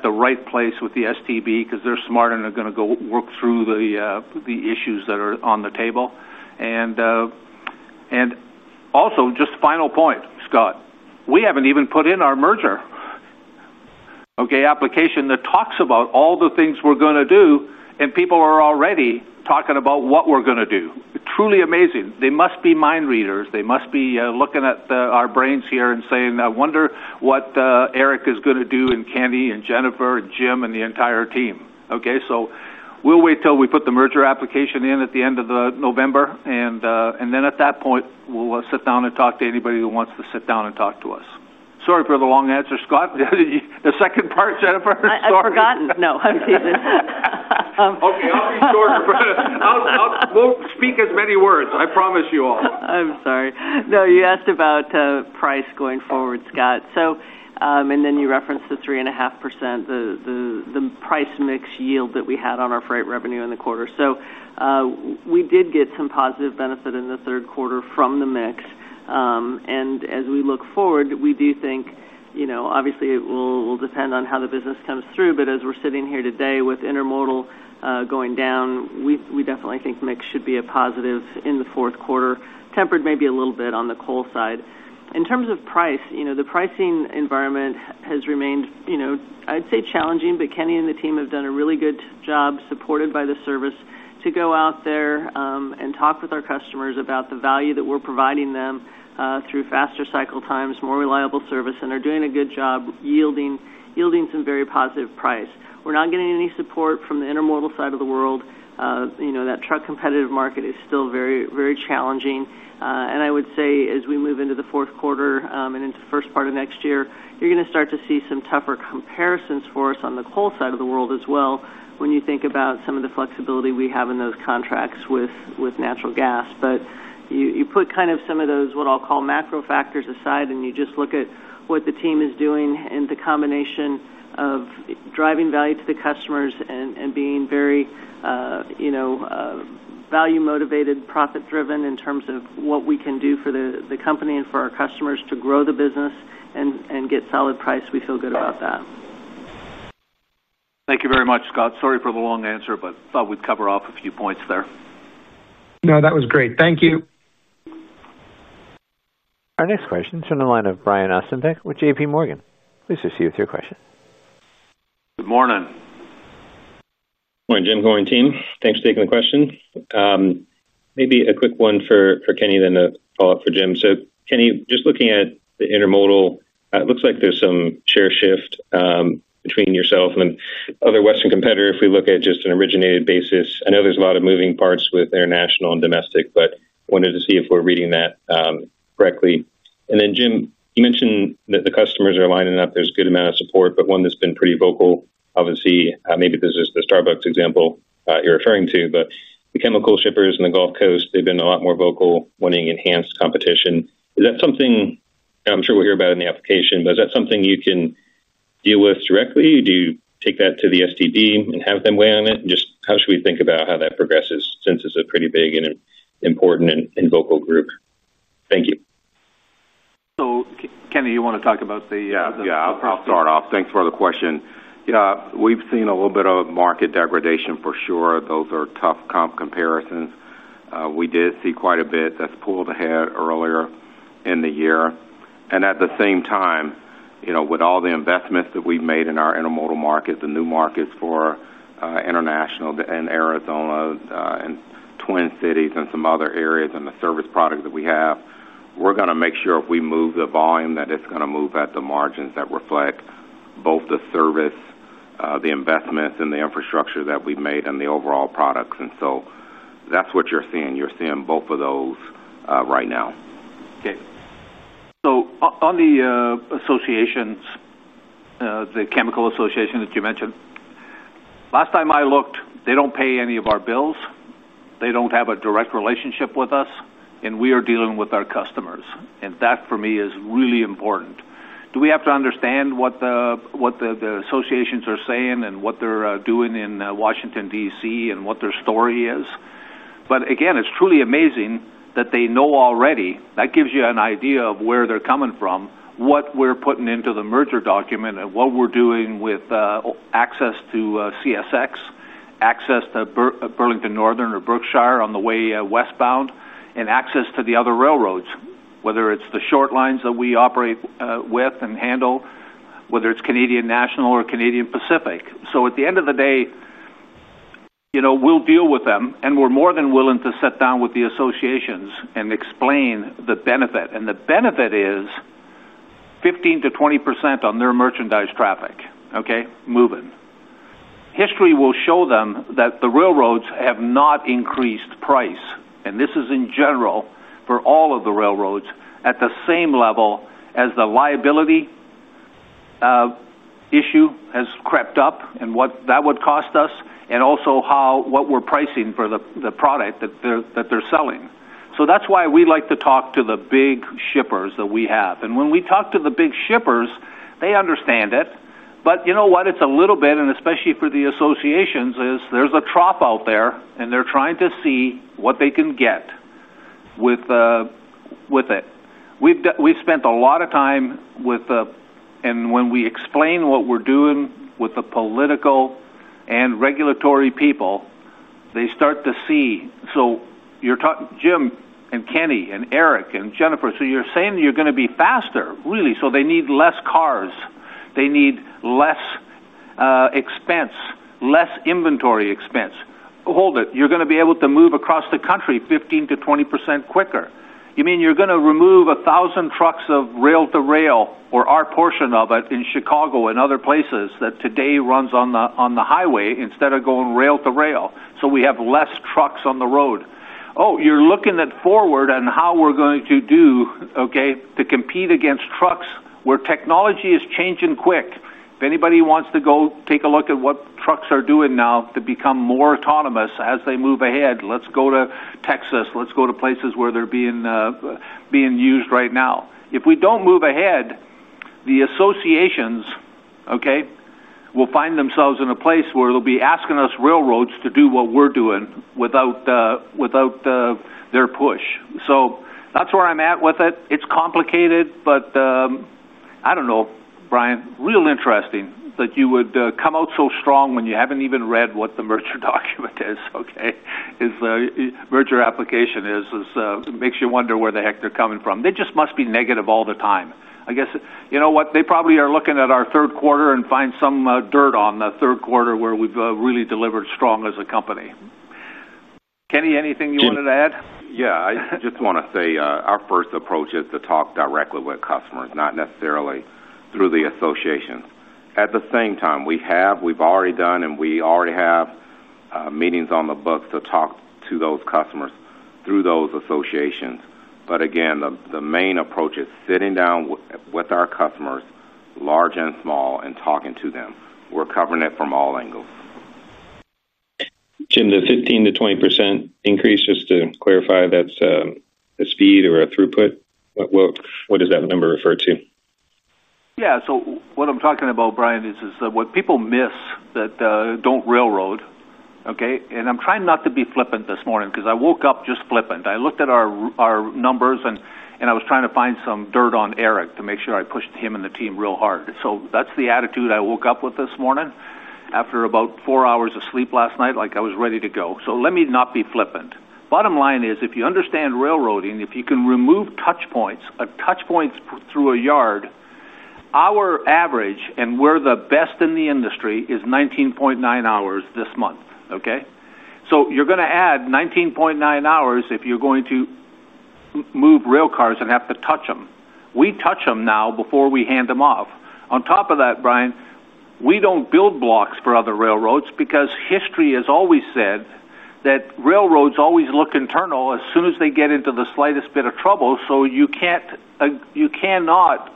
the right place with the STB because they're smart and they're going to go work through the issues that are on the table. Also, just a final point, Scott, we haven't even put in our merger application that talks about all the things we're going to do, and people are already talking about what we're going to do. Truly amazing. They must be mind readers. They must be looking at our brains here and saying, "I wonder what Eric is going to do and Kenny and Jennifer and Jim and the entire team." We'll wait till we put the merger application in at the end of November, and at that point, we'll sit down and talk to anybody who wants to sit down and talk to us. Sorry for the long answer, Scott. The second part, Jennifer? I've forgotten. No, I'm teasing. Okay, I'll be short, but we'll speak as many words. I promise you all. I'm sorry. No, you asked about price going forward, Scott. You referenced the 3.5% price mix yield that we had on our freight revenue in the quarter. We did get some positive benefit in the third quarter from the mix. As we look forward, we do think, you know, obviously, it will depend on how the business comes through. As we're sitting here today with intermodal going down, we definitely think mix should be a positive in the fourth quarter, tempered maybe a little bit on the coal side. In terms of price, you know, the pricing environment has remained, you know, I'd say challenging, but Kenny and the team have done a really good job supported by the service to go out there and talk with our customers about the value that we're providing them through faster cycle times, more reliable service, and are doing a good job yielding some very positive price. We're not getting any support from the intermodal side of the world. You know, that truck competitive market is still very, very challenging. I would say as we move into the fourth quarter and into the first part of next year, you're going to start to see some tougher comparisons for us on the coal side of the world as well when you think about some of the flexibility we have in those contracts with natural gas. You put kind of some of those, what I'll call, macro factors aside, and you just look at what the team is doing and the combination of driving value to the customers and being very, you know, value-motivated, profit-driven in terms of what we can do for the company and for our customers to grow the business and get solid price, we feel good about that. Thank you very much, Scott. Sorry for the long answer, but I thought we'd cover off a few points there. No, that was great. Thank you. Our next question is from the line of Brian Ossenbeck with JPMorgan. Please proceed with your question. Good morning. Morning, Jim. Good morning, team. Thanks for taking the question. Maybe a quick one for Kenny, then a follow-up for Jim. So Kenny, just looking at the intermodal, it looks like there's some share shift between yourself and the other Western competitor if we look at just an originated basis. I know there's a lot of moving parts with international and domestic, but I wanted to see if we're reading that correctly. Jim, you mentioned that the customers are lining up. There's a good amount of support, but one that's been pretty vocal, obviously, maybe this is the Starbucks example you're referring to, but the chemical shippers in the Gulf Coast, they've been a lot more vocal, wanting enhanced competition. Is that something I'm sure we'll hear about in the application, but is that something you can deal with directly? Do you take that to the STB and have them weigh on it? Just how should we think about how that progresses since it's a pretty big and important and vocal group? Thank you. Kenny, you want to talk about the? Yeah, I'll start off. Thanks for the question. We've seen a little bit of market degradation for sure. Those are tough comp comparisons. We did see quite a bit that's pulled ahead earlier in the year. At the same time, with all the investments that we've made in our intermodal markets, the new markets for international and Arizona, and Twin Cities and some other areas in the service product that we have, we're going to make sure if we move the volume that it's going to move at the margins that reflect both the service, the investments, and the infrastructure that we've made and the overall products. That's what you're seeing. You're seeing both of those right now. Okay. On the associations, the chemical association that you mentioned, last time I looked, they don't pay any of our bills. They don't have a direct relationship with us, and we are dealing with our customers. That, for me, is really important. Do we have to understand what the associations are saying and what they're doing in Washington, D.C., and what their story is? Again, it's truly amazing that they know already. That gives you an idea of where they're coming from, what we're putting into the merger document, and what we're doing with access to CSX, access to Burlington Northern or Berkshire on the way westbound, and access to the other railroads, whether it's the short lines that we operate with and handle, whether it's Canadian National or Canadian Pacific. At the end of the day, we'll deal with them, and we're more than willing to sit down with the associations and explain the benefit. The benefit is 15% to 20% on their merchandise traffic moving. History will show them that the railroads have not increased price. This is in general for all of the railroads at the same level as the liability issue has crept up and what that would cost us, and also how what we're pricing for the product that they're selling. That's why we like to talk to the big shippers that we have. When we talk to the big shippers, they understand it. You know what? It's a little bit, and especially for the associations, is there's a trough out there, and they're trying to see what they can get with it. We've spent a lot of time with, and when we explain what we're doing with the political and regulatory people, they start to see. You're talking, Jim and Kenny and Eric and Jennifer, so you're saying you're going to be faster, really. They need less cars. They need less expense, less inventory expense. Hold it. You're going to be able to move across the country 15% to 20% quicker. You mean you're going to remove 1,000 trucks of rail to rail or our portion of it in Chicago and other places that today runs on the highway instead of going rail to rail. We have less trucks on the road. You're looking at forward and how we're going to do, okay, to compete against trucks where technology is changing quick. If anybody wants to go take a look at what trucks are doing now to become more autonomous as they move ahead, let's go to Texas. Let's go to places where they're being used right now. If we don't move ahead, the associations will find themselves in a place where they'll be asking us railroads to do what we're doing without their push. That's where I'm at with it. It's complicated, but I don't know, Brian, real interesting that you would come out so strong when you haven't even read what the merger document is. The merger application is, it makes you wonder where the heck they're coming from. They just must be negative all the time. I guess, you know what? They probably are looking at our third quarter and find some dirt on the third quarter where we've really delivered strong as a company. Kenny, anything you wanted to add? I just want to say our first approach is to talk directly with customers, not necessarily through the associations. At the same time, we've already done, and we already have meetings on the books to talk to those customers through those associations. Again, the main approach is sitting down with our customers, large and small, and talking to them. We're covering it from all angles. Jim, the 15%-20% increase, just to clarify, that's a speed or a throughput? What does that number refer to? Yeah, what I'm talking about, Brian, is what people miss that don't railroad, okay? I'm trying not to be flippant this morning because I woke up just flippant. I looked at our numbers, and I was trying to find some dirt on Eric to make sure I pushed him and the team real hard. That's the attitude I woke up with this morning after about four hours of sleep last night, like I was ready to go. Let me not be flippant. Bottom line is, if you understand railroading, if you can remove touch points, a touch point through a yard, our average, and we're the best in the industry, is 19.9 hours this month, okay? You're going to add 19.9 hours if you're going to move railcars and have to touch them. We touch them now before we hand them off. On top of that, Brian, we don't build blocks for other railroads because history has always said that railroads always look internal as soon as they get into the slightest bit of trouble. You cannot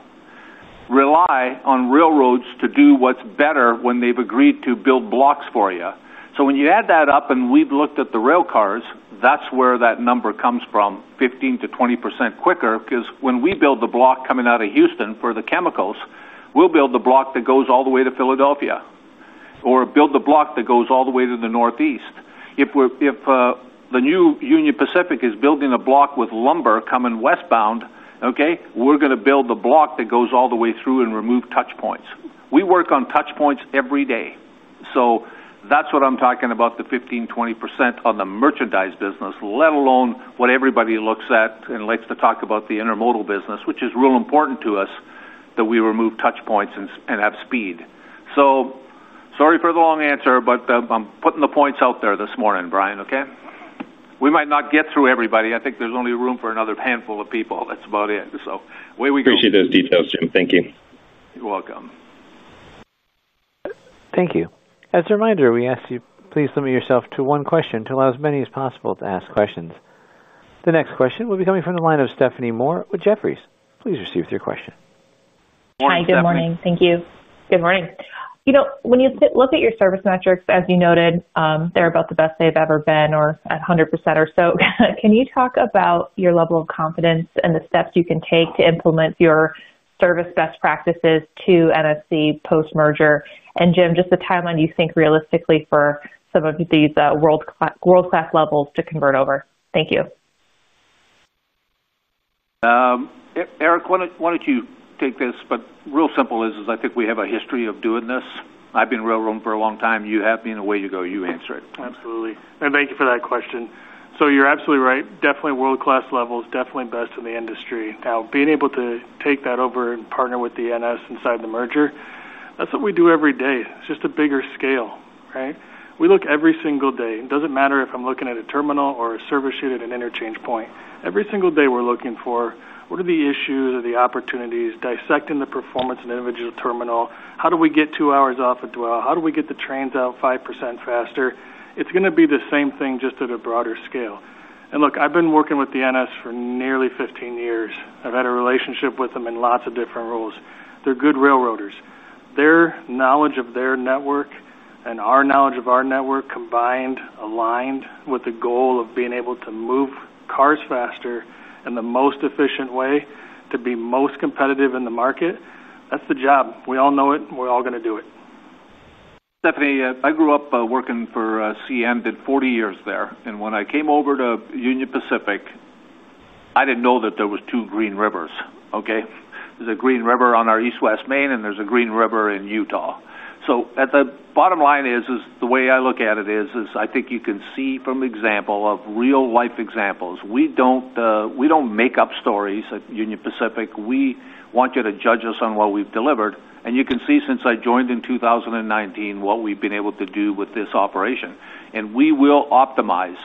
rely on railroads to do what's better when they've agreed to build blocks for you. When you add that up, and we've looked at the railcars, that's where that number comes from, 15%-20% quicker, because when we build the block coming out of Houston for the chemicals, we'll build the block that goes all the way to Philadelphia or build the block that goes all the way to the Northeast. If the new Union Pacific is building a block with lumber coming westbound, okay, we're going to build the block that goes all the way through and remove touch points. We work on touch points every day. That's what I'm talking about, the 15%, 20% on the merchandise business, let alone what everybody looks at and likes to talk about, the intermodal business, which is real important to us that we remove touch points and have speed. Sorry for the long answer, but I'm putting the points out there this morning, Brian, okay? We might not get through everybody. I think there's only room for another handful of people. That's about it. Away we go. Appreciate those details, Jim. Thank you. You're welcome. Thank you. As a reminder, we ask you to please limit yourself to one question to allow as many as possible to ask questions. The next question will be coming from the line of Stephanie Moore with Jefferies. Please proceed with your question. Hi, good morning. Thank you. Good morning. You know, when you look at your service metrics, as you noted, they're about the best they've ever been or at 100% or so. Can you talk about your level of confidence and the steps you can take to implement your service best practices to NSC post-merger? Jim, just the timeline you think realistically for some of these world-class levels to convert over. Thank you. Eric, why don't you take this? Real simple is, I think we have a history of doing this. I've been in railroading for a long time. You have me and away you go. You answer it. Absolutely. Thank you for that question. You're absolutely right. Definitely world-class levels, definitely best in the industry. Now, being able to take that over and partner with NSC inside the merger, that's what we do every day. It's just a bigger scale, right? We look every single day. It doesn't matter if I'm looking at a terminal or a service unit and interchange point. Every single day we're looking for what are the issues or the opportunities, dissecting the performance in an individual terminal. How do we get two hours off of terminal dwell? How do we get the trains out 5% faster? It's going to be the same thing, just at a broader scale. I've been working with NS for nearly 15 years. I've had a relationship with them in lots of different roles. They're good railroaders. Their knowledge of their network and our knowledge of our network combined, aligned with the goal of being able to move cars faster in the most efficient way to be most competitive in the market, that's the job. We all know it. We're all going to do it. Stephanie, I grew up working for CN, did 40 years there. When I came over to Union Pacific, I didn't know that there were two Green Rivers, okay? There's a Green River on our East-West Main, and there's a Green River in Utah. The bottom line is, the way I look at it is, I think you can see from an example of real-life examples. We don't make up stories at Union Pacific. We want you to judge us on what we've delivered. You can see since I joined in 2019 what we've been able to do with this operation. We will optimize.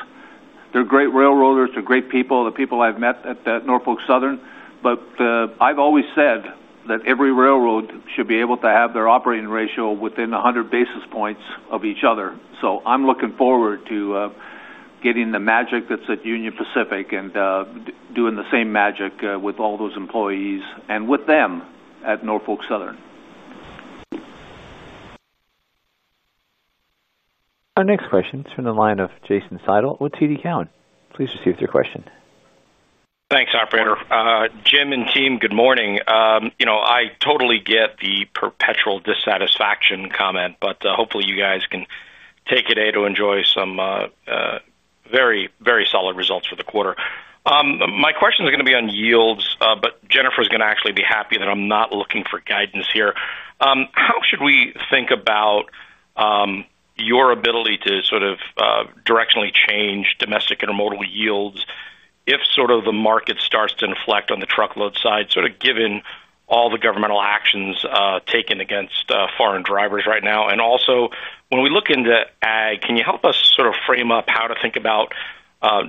They're great railroaders. They're great people. The people I've met at Norfolk Southern. I've always said that every railroad should be able to have their Operating Ratio within 100 basis points of each other. I'm looking forward to getting the magic that's at Union Pacific and doing the same magic with all those employees and with them at Norfolk Southern. Our next question is from the line of Jason Seidl with TD Cowen. Please proceed with your question. Thanks, operator. Jim and team, good morning. I totally get the perpetual dissatisfaction comment, but hopefully you guys can take it to enjoy some very, very solid results for the quarter. My question is going to be on yields, but Jennifer is going to actually be happy that I'm not looking for guidance here. How should we think about your ability to sort of directionally change domestic intermodal yields if the market starts to inflect on the truckload side, given all the governmental actions taken against foreign drivers right now? When we look into ag, can you help us sort of frame up how to think about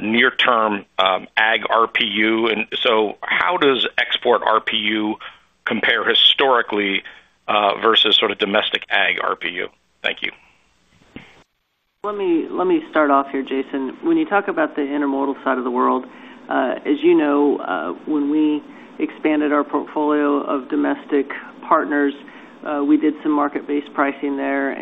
near-term ag RPU? How does export RPU compare historically versus domestic ag RPU? Thank you. Let me start off here, Jason. When you talk about the intermodal side of the world, as you know, when we expanded our portfolio of domestic partners, we did some market-based pricing there.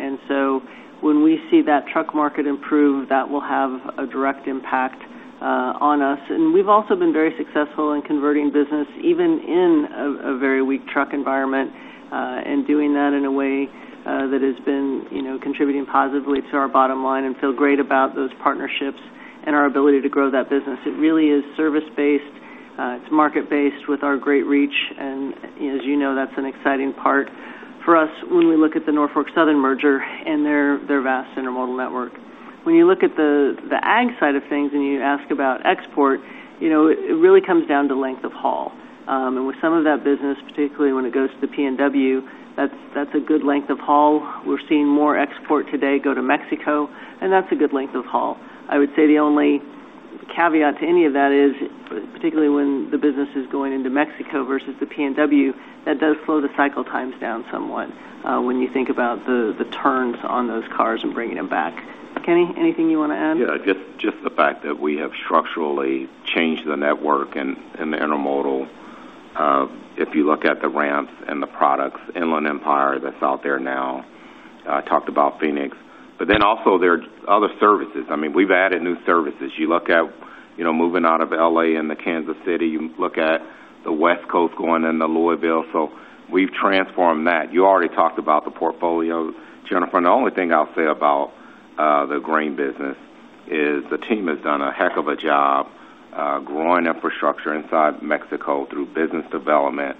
When we see that truck market improve, that will have a direct impact on us. We've also been very successful in converting business even in a very weak truck environment and doing that in a way that has been contributing positively to our bottom line and feel great about those partnerships and our ability to grow that business. It really is service-based. It's market-based with our great reach. As you know, that's an exciting part for us when we look at the Norfolk Southern merger and their vast intermodal network. When you look at the ag side of things and you ask about export, it really comes down to length of haul. With some of that business, particularly when it goes to the PNW, that's a good length of haul. We're seeing more export today go to Mexico, and that's a good length of haul. I would say the only caveat to any of that is, particularly when the business is going into Mexico versus the PNW, that does slow the cycle times down somewhat when you think about the turns on those cars and bringing them back. Kenny, anything you want to add? Yeah, just the fact that we have structurally changed the network and the intermodal. If you look at the ramps and the products, Inland Empire that's out there now, I talked about Phoenix. There are other services. I mean, we've added new services. You look at, you know, moving out of L.A. into Kansas City. You look at the West Coast going into Louisville. We've transformed that. You already talked about the portfolio, Jennifer. The only thing I'll say about the grain business is the team has done a heck of a job, growing infrastructure inside Mexico through business development,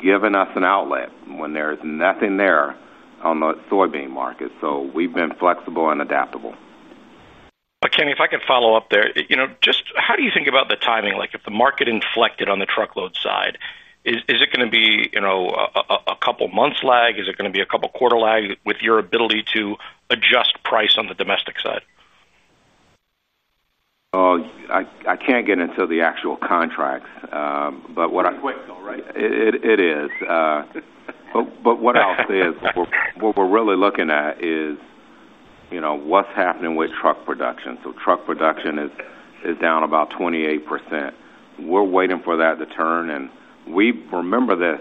giving us an outlet when there's nothing there on the soybean market. We've been flexible and adaptable. Kenny, if I can follow up there, how do you think about the timing? If the market inflected on the truckload side, is it going to be a couple months lag? Is it going to be a couple quarter lag with your ability to adjust price on the domestic side? Oh, I can't get into the actual contracts. What I'll say is what we're really looking at is, you know, what's happening with truck production. Truck production is down about 28%. We're waiting for that to turn. We remember this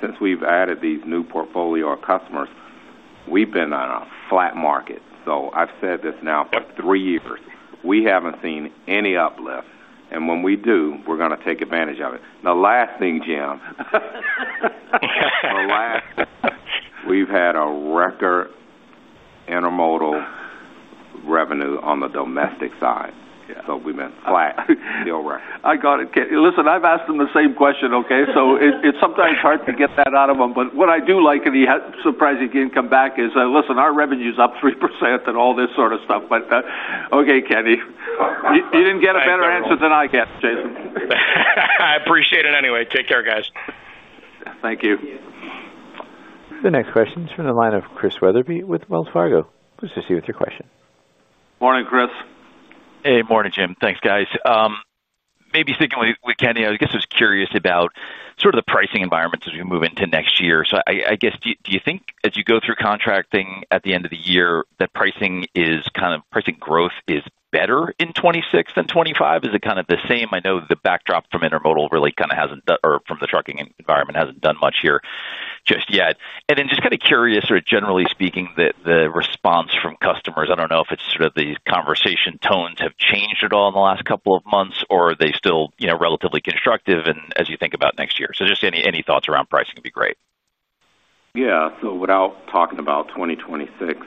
since we've added these new portfolio customers. We've been on a flat market. I've said this now for three years. We haven't seen any uplift. When we do, we're going to take advantage of it. Last thing, Jim, the last thing, we've had a record intermodal revenue on the domestic side. We've been flat, no record. I got it, Kenny. Listen, I've asked them the same question, okay? It's sometimes hard to get that out of them. What I do like, and he surprised he didn't come back, is, listen, our revenue is up 3% and all this sort of stuff. Okay, Kenny, you didn't get a better answer than I get, Jason. I appreciate it anyway. Take care, guys. Thank you. The next question is from the line of Chris Wetherbee with Wells Fargo. Please proceed with your question. Morning, Chris. Hey, morning, Jim. Thanks, guys. Maybe sticking with Kenny, I guess I was curious about sort of the pricing environments as we move into next year. Do you think as you go through contracting at the end of the year, that pricing growth is better in 2026 than 2025? Is it kind of the same? I know the backdrop from intermodal really kind of hasn't done or from the trucking environment hasn't done much here just yet. Just kind of curious, generally speaking, the response from customers. I don't know if the conversation tones have changed at all in the last couple of months, or are they still, you know, relatively constructive as you think about next year. Any thoughts around pricing would be great. Yeah, without talking about 2026,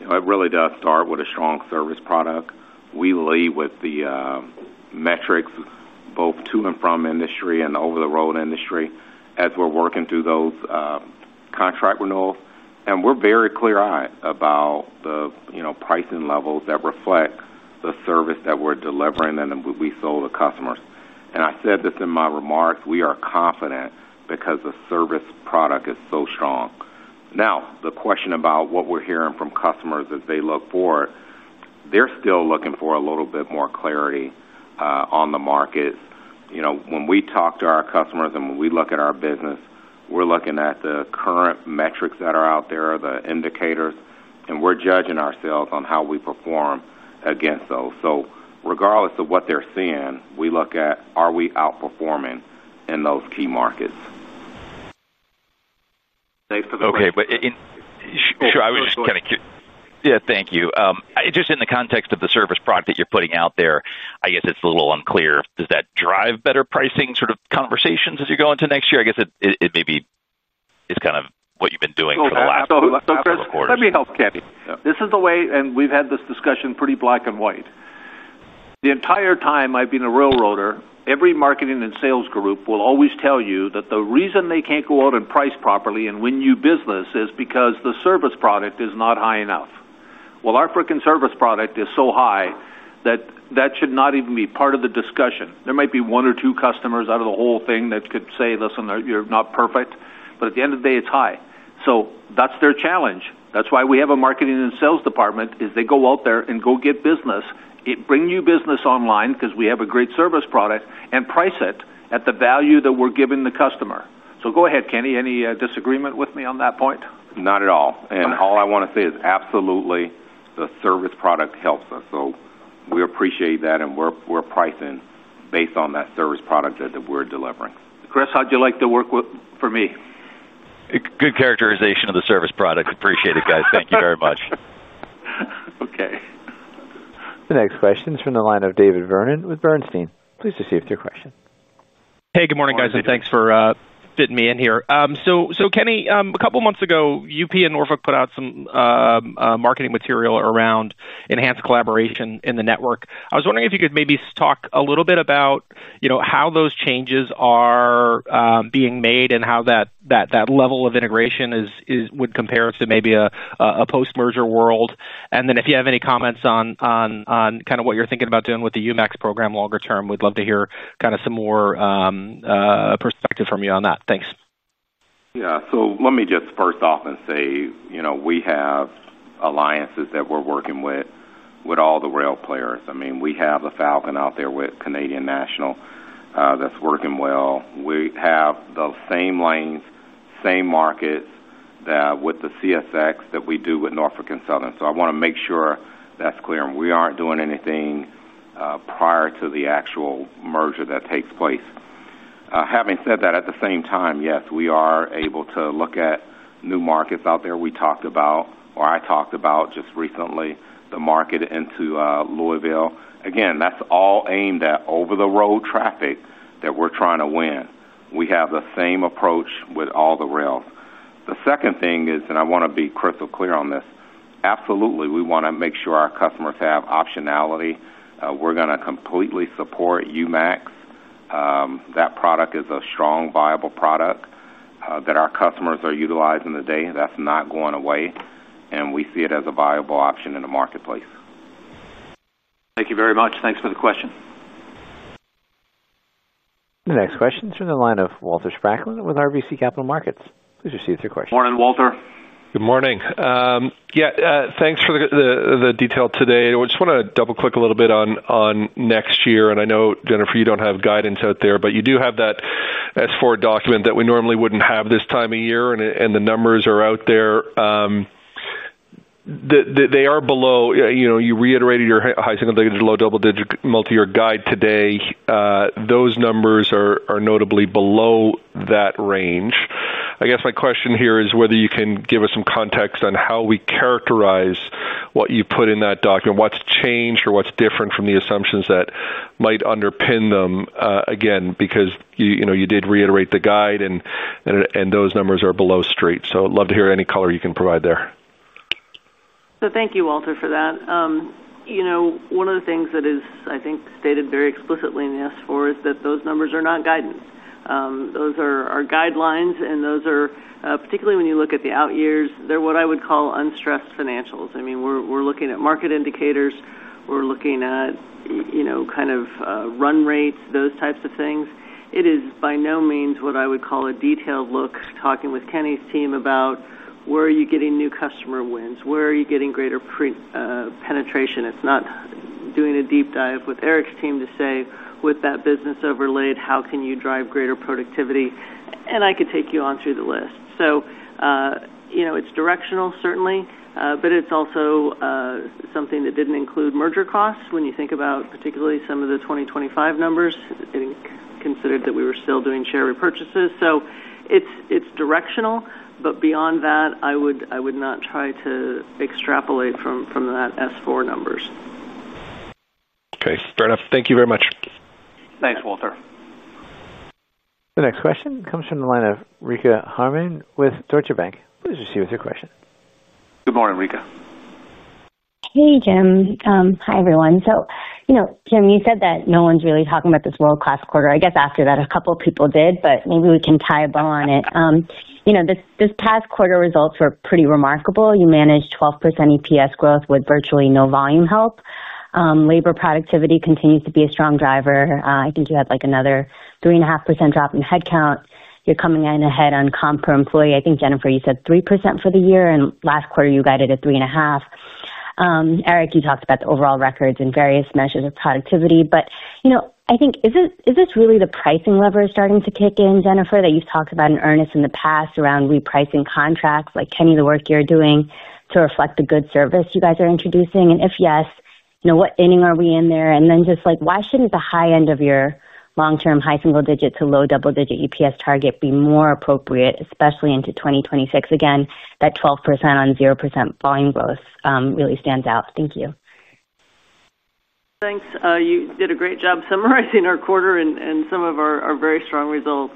it really does start with a strong service product. We lead with the metrics both to and from industry and over the road industry as we're working through those contract renewals. We're very clear-eyed about the pricing levels that reflect the service that we're delivering and that we sold to customers. I said this in my remarks, we are confident because the service product is so strong. The question about what we're hearing from customers as they look forward, they're still looking for a little bit more clarity on the markets. When we talk to our customers and when we look at our business, we're looking at the current metrics that are out there, the indicators, and we're judging ourselves on how we perform against those. Regardless of what they're seeing, we look at are we outperforming in those key markets? Okay, I was just kind of curious. Thank you. Just in the context of the service product that you're putting out there, I guess it's a little unclear. Does that drive better pricing sort of conversations as you go into next year? I guess it maybe is kind of what you've been doing for the last couple of quarters. Chris, let me help Kenny. This is the way, and we've had this discussion pretty black and white. The entire time I've been a railroader, every marketing and sales group will always tell you that the reason they can't go out and price properly and win you business is because the service product is not high enough. Our freaking service product is so high that that should not even be part of the discussion. There might be one or two customers out of the whole thing that could say, "Listen, you're not perfect." At the end of the day, it's high. That's their challenge. That's why we have a Marketing and Sales department. They go out there and go get business, bring new business online because we have a great service product and price it at the value that we're giving the customer. Go ahead, Kenny. Any disagreement with me on that point? Not at all. All I want to say is absolutely, the service product helps us. We appreciate that, and we're pricing based on that service product that we're delivering. Chris, how'd you like to work for me? Good characterization of the service product. Appreciate it, guys. Thank you very much. Okay. The next question is from the line of David Vernon with Bernstein. Please receive your question. Hey, good morning, guys, and thanks for fitting me in here. Kenny, a couple of months ago, UP and Norfolk Southern put out some marketing material around enhanced collaboration in the network. I was wondering if you could maybe talk a little bit about how those changes are being made and how that level of integration would compare to maybe a post-merger world. If you have any comments on what you're thinking about doing with the UMAX program longer term, we'd love to hear some more perspective from you on that. Thanks. Let me just first off say, we have alliances that we're working with, with all the rail players. We have a Falcon out there with Canadian National, that's working well. We have the same lanes, same markets with CSX that we do with Norfolk Southern. I want to make sure that's clear. We aren't doing anything prior to the actual merger that takes place. Having said that, at the same time, yes, we are able to look at new markets out there. We talked about, or I talked about just recently, the market into Louisville. Again, that's all aimed at over-the-road traffic that we're trying to win. We have the same approach with all the rails. The second thing is, and I want to be crystal clear on this, absolutely, we want to make sure our customers have optionality. We're going to completely support UMAX. That product is a strong, viable product that our customers are utilizing today. That's not going away. We see it as a viable option in the marketplace. Thank you very much. Thanks for the question. The next question is from the line of Walter Spracklin with RBC Capital Markets. Please proceed with your question. Morning, Walter. Good morning. Thanks for the detail today. I just want to double-click a little bit on next year. I know, Jennifer, you don't have guidance out there, but you do have that S4 document that we normally wouldn't have this time of year. The numbers are out there. They are below, you know, you reiterated your high single-digit, low double-digit multi-year guide today. Those numbers are notably below that range. I guess my question here is whether you can give us some context on how we characterize what you put in that document, what's changed or what's different from the assumptions that might underpin them. Again, because you, you know, you did reiterate the guide and those numbers are below straight. I'd love to hear any color you can provide there. Thank you, Walter, for that. One of the things that is, I think, stated very explicitly in the S-4 is that those numbers are not guidance. Those are our guidelines, and those are, particularly when you look at the out years, they're what I would call unstressed financials. I mean, we're looking at market indicators. We're looking at, you know, kind of run rates, those types of things. It is by no means what I would call a detailed look talking with Kenny's team about where are you getting new customer wins, where are you getting greater penetration. It's not doing a deep dive with Eric's team to say, "With that business overlaid, how can you drive greater productivity?" I could take you on through the list. It's directional, certainly, but it's also something that didn't include merger costs when you think about particularly some of the 2025 numbers, it being considered that we were still doing share repurchases. It's directional, but beyond that, I would not try to extrapolate from that S4 numbers. Okay. Fair enough. Thank you very much. Thanks, Walter. The next question comes from the line of Richa Harnain with Deutsche Bank. Please proceed with your question. Good morning, Richa. Hey, Jim, hi everyone. Jim, you said that no one's really talking about this world-class quarter. I guess after that, a couple of people did, but maybe we can tie a bow on it. This past quarter results were pretty remarkable. You managed 12% EPS growth with virtually no volume help. Labor productivity continues to be a strong driver. I think you had like another 3.5% drop in headcount. You're coming in ahead on comp per employee. I think, Jennifer, you said 3% for the year, and last quarter you guided at 3.5%. Eric, you talked about the overall records and various measures of productivity, but I think is this really the pricing lever starting to kick in, Jennifer, that you've talked about in earnest in the past around re-pricing contracts? Like, Kenny, the work you're doing to reflect the good service you guys are introducing? If yes, what inning are we in there? Why shouldn't the high end of your long-term high single-digit to low double-digit EPS target be more appropriate, especially into 2026? Again, that 12% on 0% volume growth really stands out. Thank you. Thanks. You did a great job summarizing our quarter and some of our very strong results.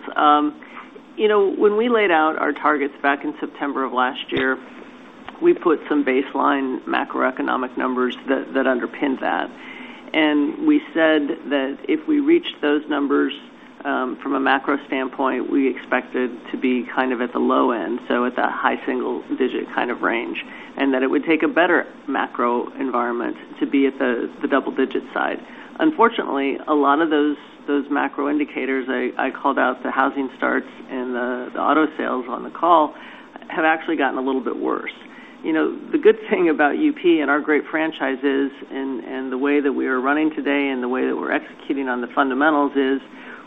When we laid out our targets back in September of last year, we put some baseline macroeconomic numbers that underpin that. We said that if we reached those numbers, from a macro standpoint, we expected to be kind of at the low end, so at that high single-digit kind of range, and that it would take a better macro environment to be at the double-digit side. Unfortunately, a lot of those macro indicators I called out, so housing starts and the auto sales on the call, have actually gotten a little bit worse. The good thing about UP and our great franchise is, and the way that we are running today and the way that we're executing on the fundamentals, is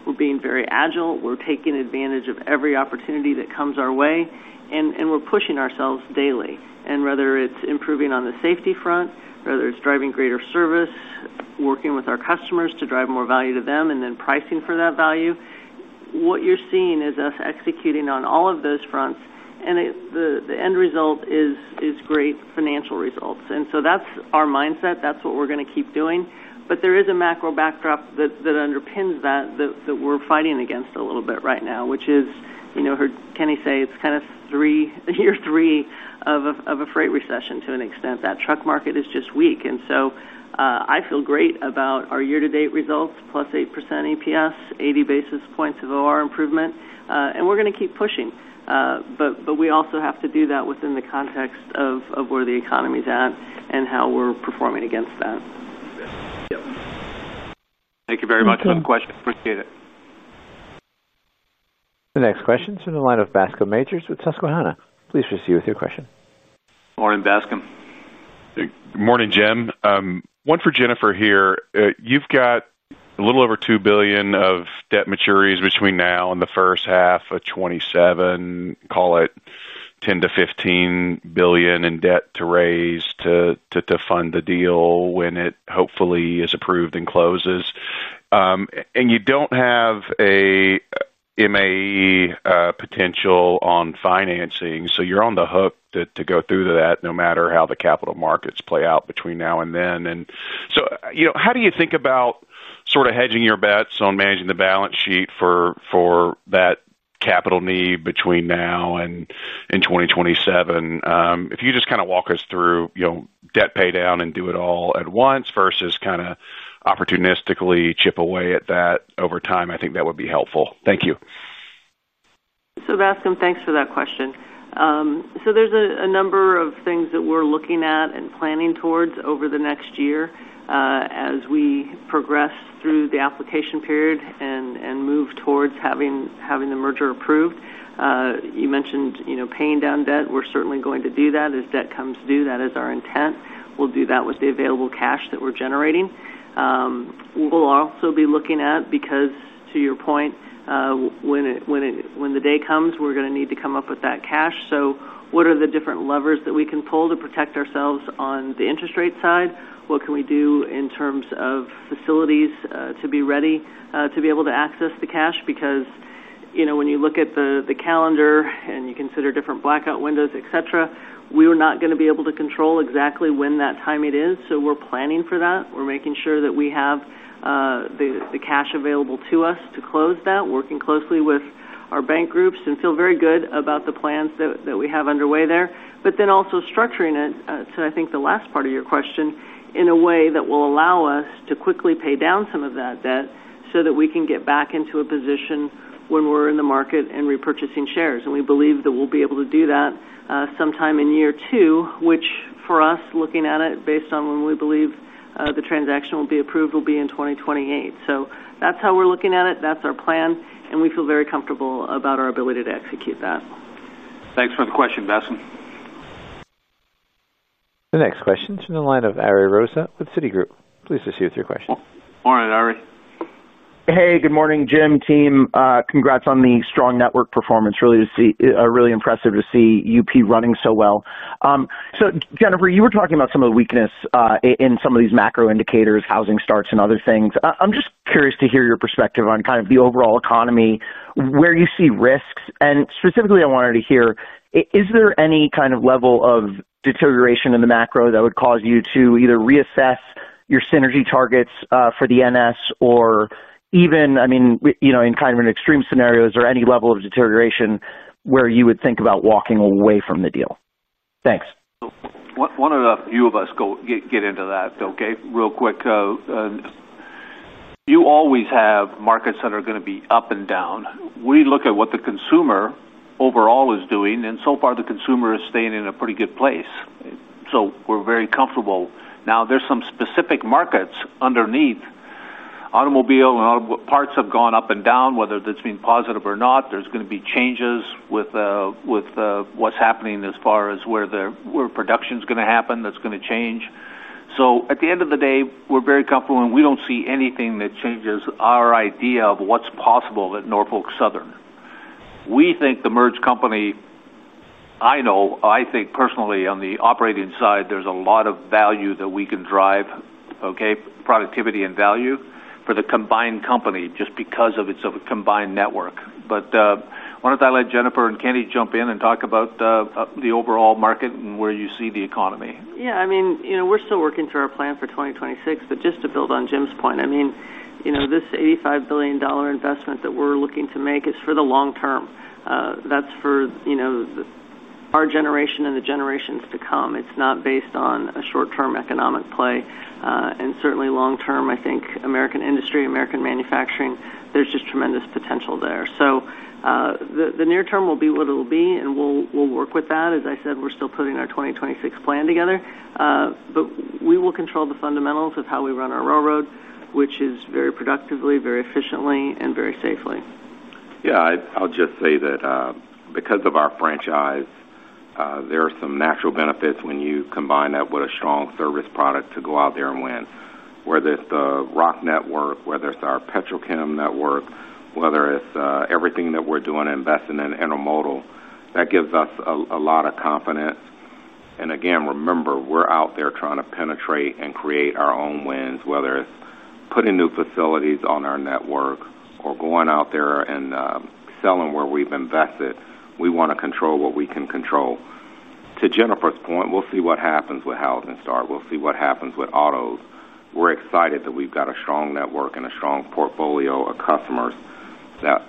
we're being very agile. We're taking advantage of every opportunity that comes our way, and we're pushing ourselves daily. Whether it's improving on the safety front, driving greater service, working with our customers to drive more value to them, and then pricing for that value, what you're seeing is us executing on all of those fronts, and the end result is great financial results. That's our mindset. That's what we're going to keep doing. There is a macro backdrop that underpins that, that we're fighting against a little bit right now, which is, you heard Kenny say it's kind of year three of a freight recession to an extent. That truck market is just weak. I feel great about our year-to-date results, plus 8% EPS, 80 basis points of OR improvement, and we're going to keep pushing. We also have to do that within the context of where the economy's at and how we're performing against that. Thank you very much. Thank you. Good question. Appreciate it. The next question is from the line of Bascome Majors with Susquehanna. Please proceed with your question. Morning, Bascome. Morning, Jim. One for Jennifer here. You've got a little over $2 billion of debt maturities between now and the first half of 2027. Call it $10 billion-$15 billion in debt to raise to fund the deal when it hopefully is approved and closes. You don't have a MAE potential on financing, so you're on the hook to go through to that no matter how the capital markets play out between now and then. How do you think about sort of hedging your bets on managing the balance sheet for that capital need between now and 2027? If you could just kind of walk us through debt paydown and do it all at once versus kind of opportunistically chip away at that over time, I think that would be helpful. Thank you. Bascome, thanks for that question. There are a number of things that we're looking at and planning towards over the next year as we progress through the application period and move towards having the merger approved. You mentioned paying down debt. We're certainly going to do that. As debt comes due, that is our intent. We'll do that with the available cash that we're generating. We'll also be looking at, because to your point, when the day comes, we're going to need to come up with that cash. What are the different levers that we can pull to protect ourselves on the interest rate side? What can we do in terms of facilities to be ready to be able to access the cash? When you look at the calendar and you consider different blackout windows, etc., we are not going to be able to control exactly when that time is. We're planning for that. We're making sure that we have the cash available to us to close that, working closely with our bank groups, and feel very good about the plans that we have underway there. We're also structuring it, to the last part of your question, in a way that will allow us to quickly pay down some of that debt so that we can get back into a position when we're in the market and repurchasing shares. We believe that we'll be able to do that sometime in year two, which for us, looking at it based on when we believe the transaction will be approved, will be in 2028. That's how we're looking at it. That's our plan, and we feel very comfortable about our ability to execute that. Thanks for the question, Bascome. The next question's from the line of Ari Rosa with Citigroup. Please proceed with your question. Morning, Ari. Hey, good morning, Jim, team. Congrats on the strong network performance. Really impressive to see UP running so well. Jennifer, you were talking about some of the weakness in some of these macro indicators, housing starts, and other things. I'm just curious to hear your perspective on the overall economy, where you see risks. Specifically, I wanted to hear, is there any kind of level of deterioration in the macro that would cause you to either reassess your synergy targets for the NS or even, I mean, you know, in kind of an extreme scenario, is there any level of deterioration where you would think about walking away from the deal? Thanks. Want to, you of us go get into that, okay, real quick. You always have markets that are going to be up and down. We look at what the consumer overall is doing, and so far, the consumer is staying in a pretty good place. We're very comfortable. Now, there's some specific markets underneath. Automobile and auto parts have gone up and down, whether that's been positive or not. There are going to be changes with what's happening as far as where the, where production's going to happen. That's going to change. At the end of the day, we're very comfortable. We don't see anything that changes our idea of what's possible at Norfolk Southern. We think the merged company, I know, I think personally on the operating side, there's a lot of value that we can drive, okay, productivity and value for the combined company just because it's a combined network. Why don't I let Jennifer and Kenny jump in and talk about the overall market and where you see the economy? Yeah. I mean, you know, we're still working through our plan for 2026, but just to build on Jim's point, I mean, you know, this $85 billion investment that we're looking to make is for the long term. That's for, you know, our generation and the generations to come. It's not based on a short-term economic play. Certainly, long term, I think American industry, American manufacturing, there's just tremendous potential there. The near term will be what it'll be, and we'll work with that. As I said, we're still putting our 2026 plan together, but we will control the fundamentals of how we run our railroad, which is very productively, very efficiently, and very safely. I'll just say that, because of our franchise, there are some natural benefits when you combine that with a strong service product to go out there and win, whether it's the ROC network, whether it's our Petrochem network, whether it's everything that we're doing and investing in intermodal. That gives us a lot of confidence. Again, remember, we're out there trying to penetrate and create our own wins, whether it's putting new facilities on our network or going out there and selling where we've invested. We want to control what we can control. To Jennifer's point, we'll see what happens with housing start. We'll see what happens with autos. We're excited that we've got a strong network and a strong portfolio of customers that,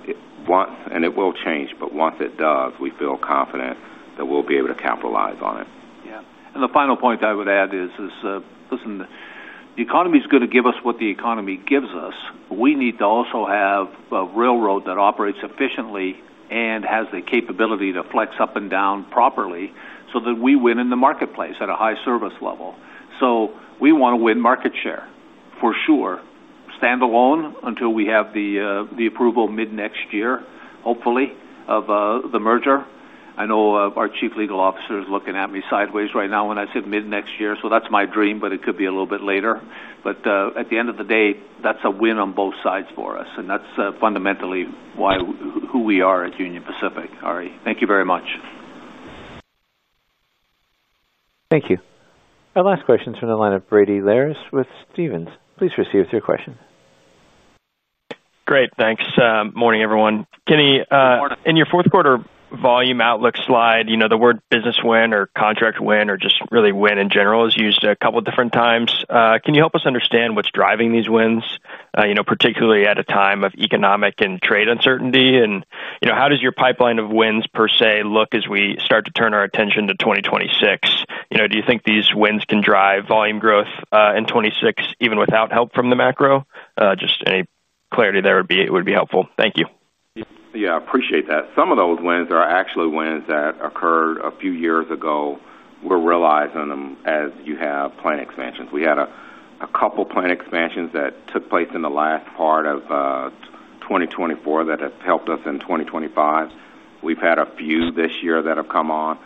once, and it will change, but once it does, we feel confident that we'll be able to capitalize on it. Yeah. The final point I would add is, listen, the economy is going to give us what the economy gives us. We need to also have a railroad that operates efficiently and has the capability to flex up and down properly so that we win in the marketplace at a high service level. We want to win market share for sure, standalone until we have the approval mid-next year, hopefully, of the merger. I know our Chief Legal Officer is looking at me sideways right now when I said mid-next year. That's my dream, but it could be a little bit later. At the end of the day, that's a win on both sides for us. That's fundamentally why who we are as Union Pacific. Ari, thank you very much. Thank you. Our last question is from the line of Brady Lierz with Stephens. Please proceed with your question. Great. Thanks. Morning, everyone. Kenny. Morning. In your fourth quarter volume outlook slide, the word business win or contract win or just really win in general is used a couple of different times. Can you help us understand what's driving these wins, particularly at a time of economic and trade uncertainty? How does your pipeline of wins per se look as we start to turn our attention to 2026? Do you think these wins can drive volume growth in 2026 even without help from the macro? Any clarity there would be helpful. Thank you. Yeah. I appreciate that. Some of those wins are actually wins that occurred a few years ago. We're realizing them as you have planned expansions. We had a couple planned expansions that took place in the last part of 2024 that have helped us in 2025. We've had a few this year that have come on.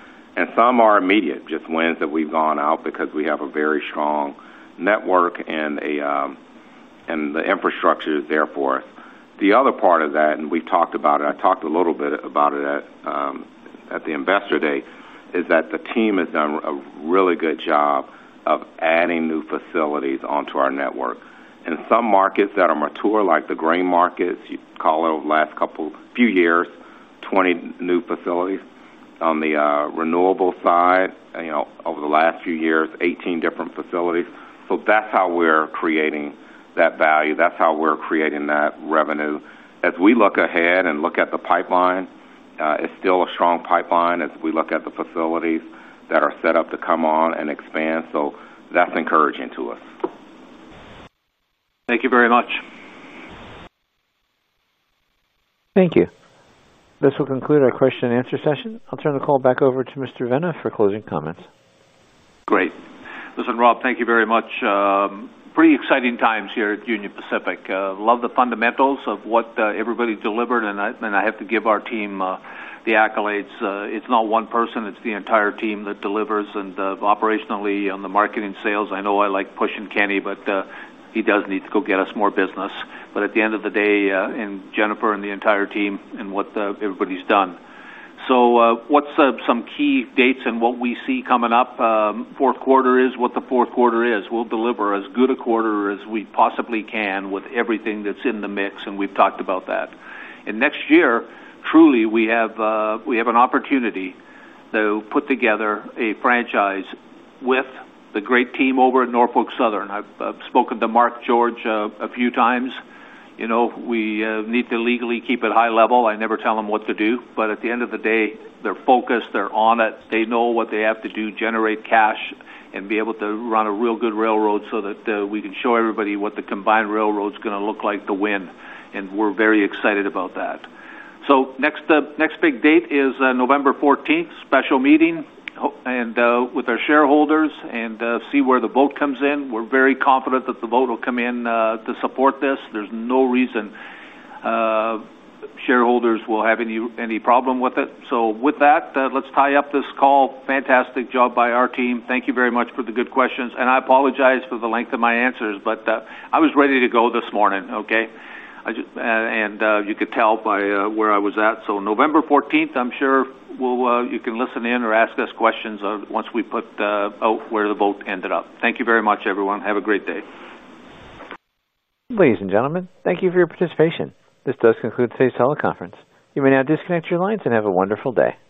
Some are immediate, just wins that we've gone out because we have a very strong network and the infrastructure is there for us. The other part of that, and we've talked about it, I talked a little bit about it at the investor day, is that the team has done a really good job of adding new facilities onto our network. In some markets that are mature, like the grain markets, you call it over the last couple of few years, 20 new facilities. On the renewable side, over the last few years, 18 different facilities. That's how we're creating that value. That's how we're creating that revenue. As we look ahead and look at the pipeline, it's still a strong pipeline as we look at the facilities that are set up to come on and expand. That's encouraging to us. Thank you very much. Thank you. This will conclude our question and answer session. I'll turn the call back over to Mr. Vena for closing comments. Great. Listen, Rob, thank you very much. Pretty exciting times here at Union Pacific. Love the fundamentals of what everybody delivered, and I have to give our team the accolades. It's not one person. It's the entire team that delivers. Operationally, on the marketing sales, I know I like pushing Kenny, but he does need to go get us more business. At the end of the day, Jennifer and the entire team and what everybody's done. What are some key dates and what we see coming up? Fourth quarter is what the fourth quarter is. We'll deliver as good a quarter as we possibly can with everything that's in the mix, and we've talked about that. Next year, truly, we have an opportunity to put together a franchise with the great team over at Norfolk Southern. I've spoken to Mark, George, a few times. We need to legally keep it high level. I never tell them what to do. At the end of the day, they're focused. They're on it. They know what they have to do, generate cash, and be able to run a real good railroad so that we can show everybody what the combined railroad's going to look like to win. We're very excited about that. Next big date is November 14th, special meeting with our shareholders and see where the vote comes in. We're very confident that the vote will come in to support this. There's no reason shareholders will have any problem with it. With that, let's tie up this call. Fantastic job by our team. Thank you very much for the good questions. I apologize for the length of my answers, but I was ready to go this morning, okay? You could tell by where I was at. November 14th, I'm sure you can listen in or ask us questions once we put out where the vote ended up. Thank you very much, everyone. Have a great day. Ladies and gentlemen, thank you for your participation. This does conclude today's teleconference. You may now disconnect your lines and have a wonderful day.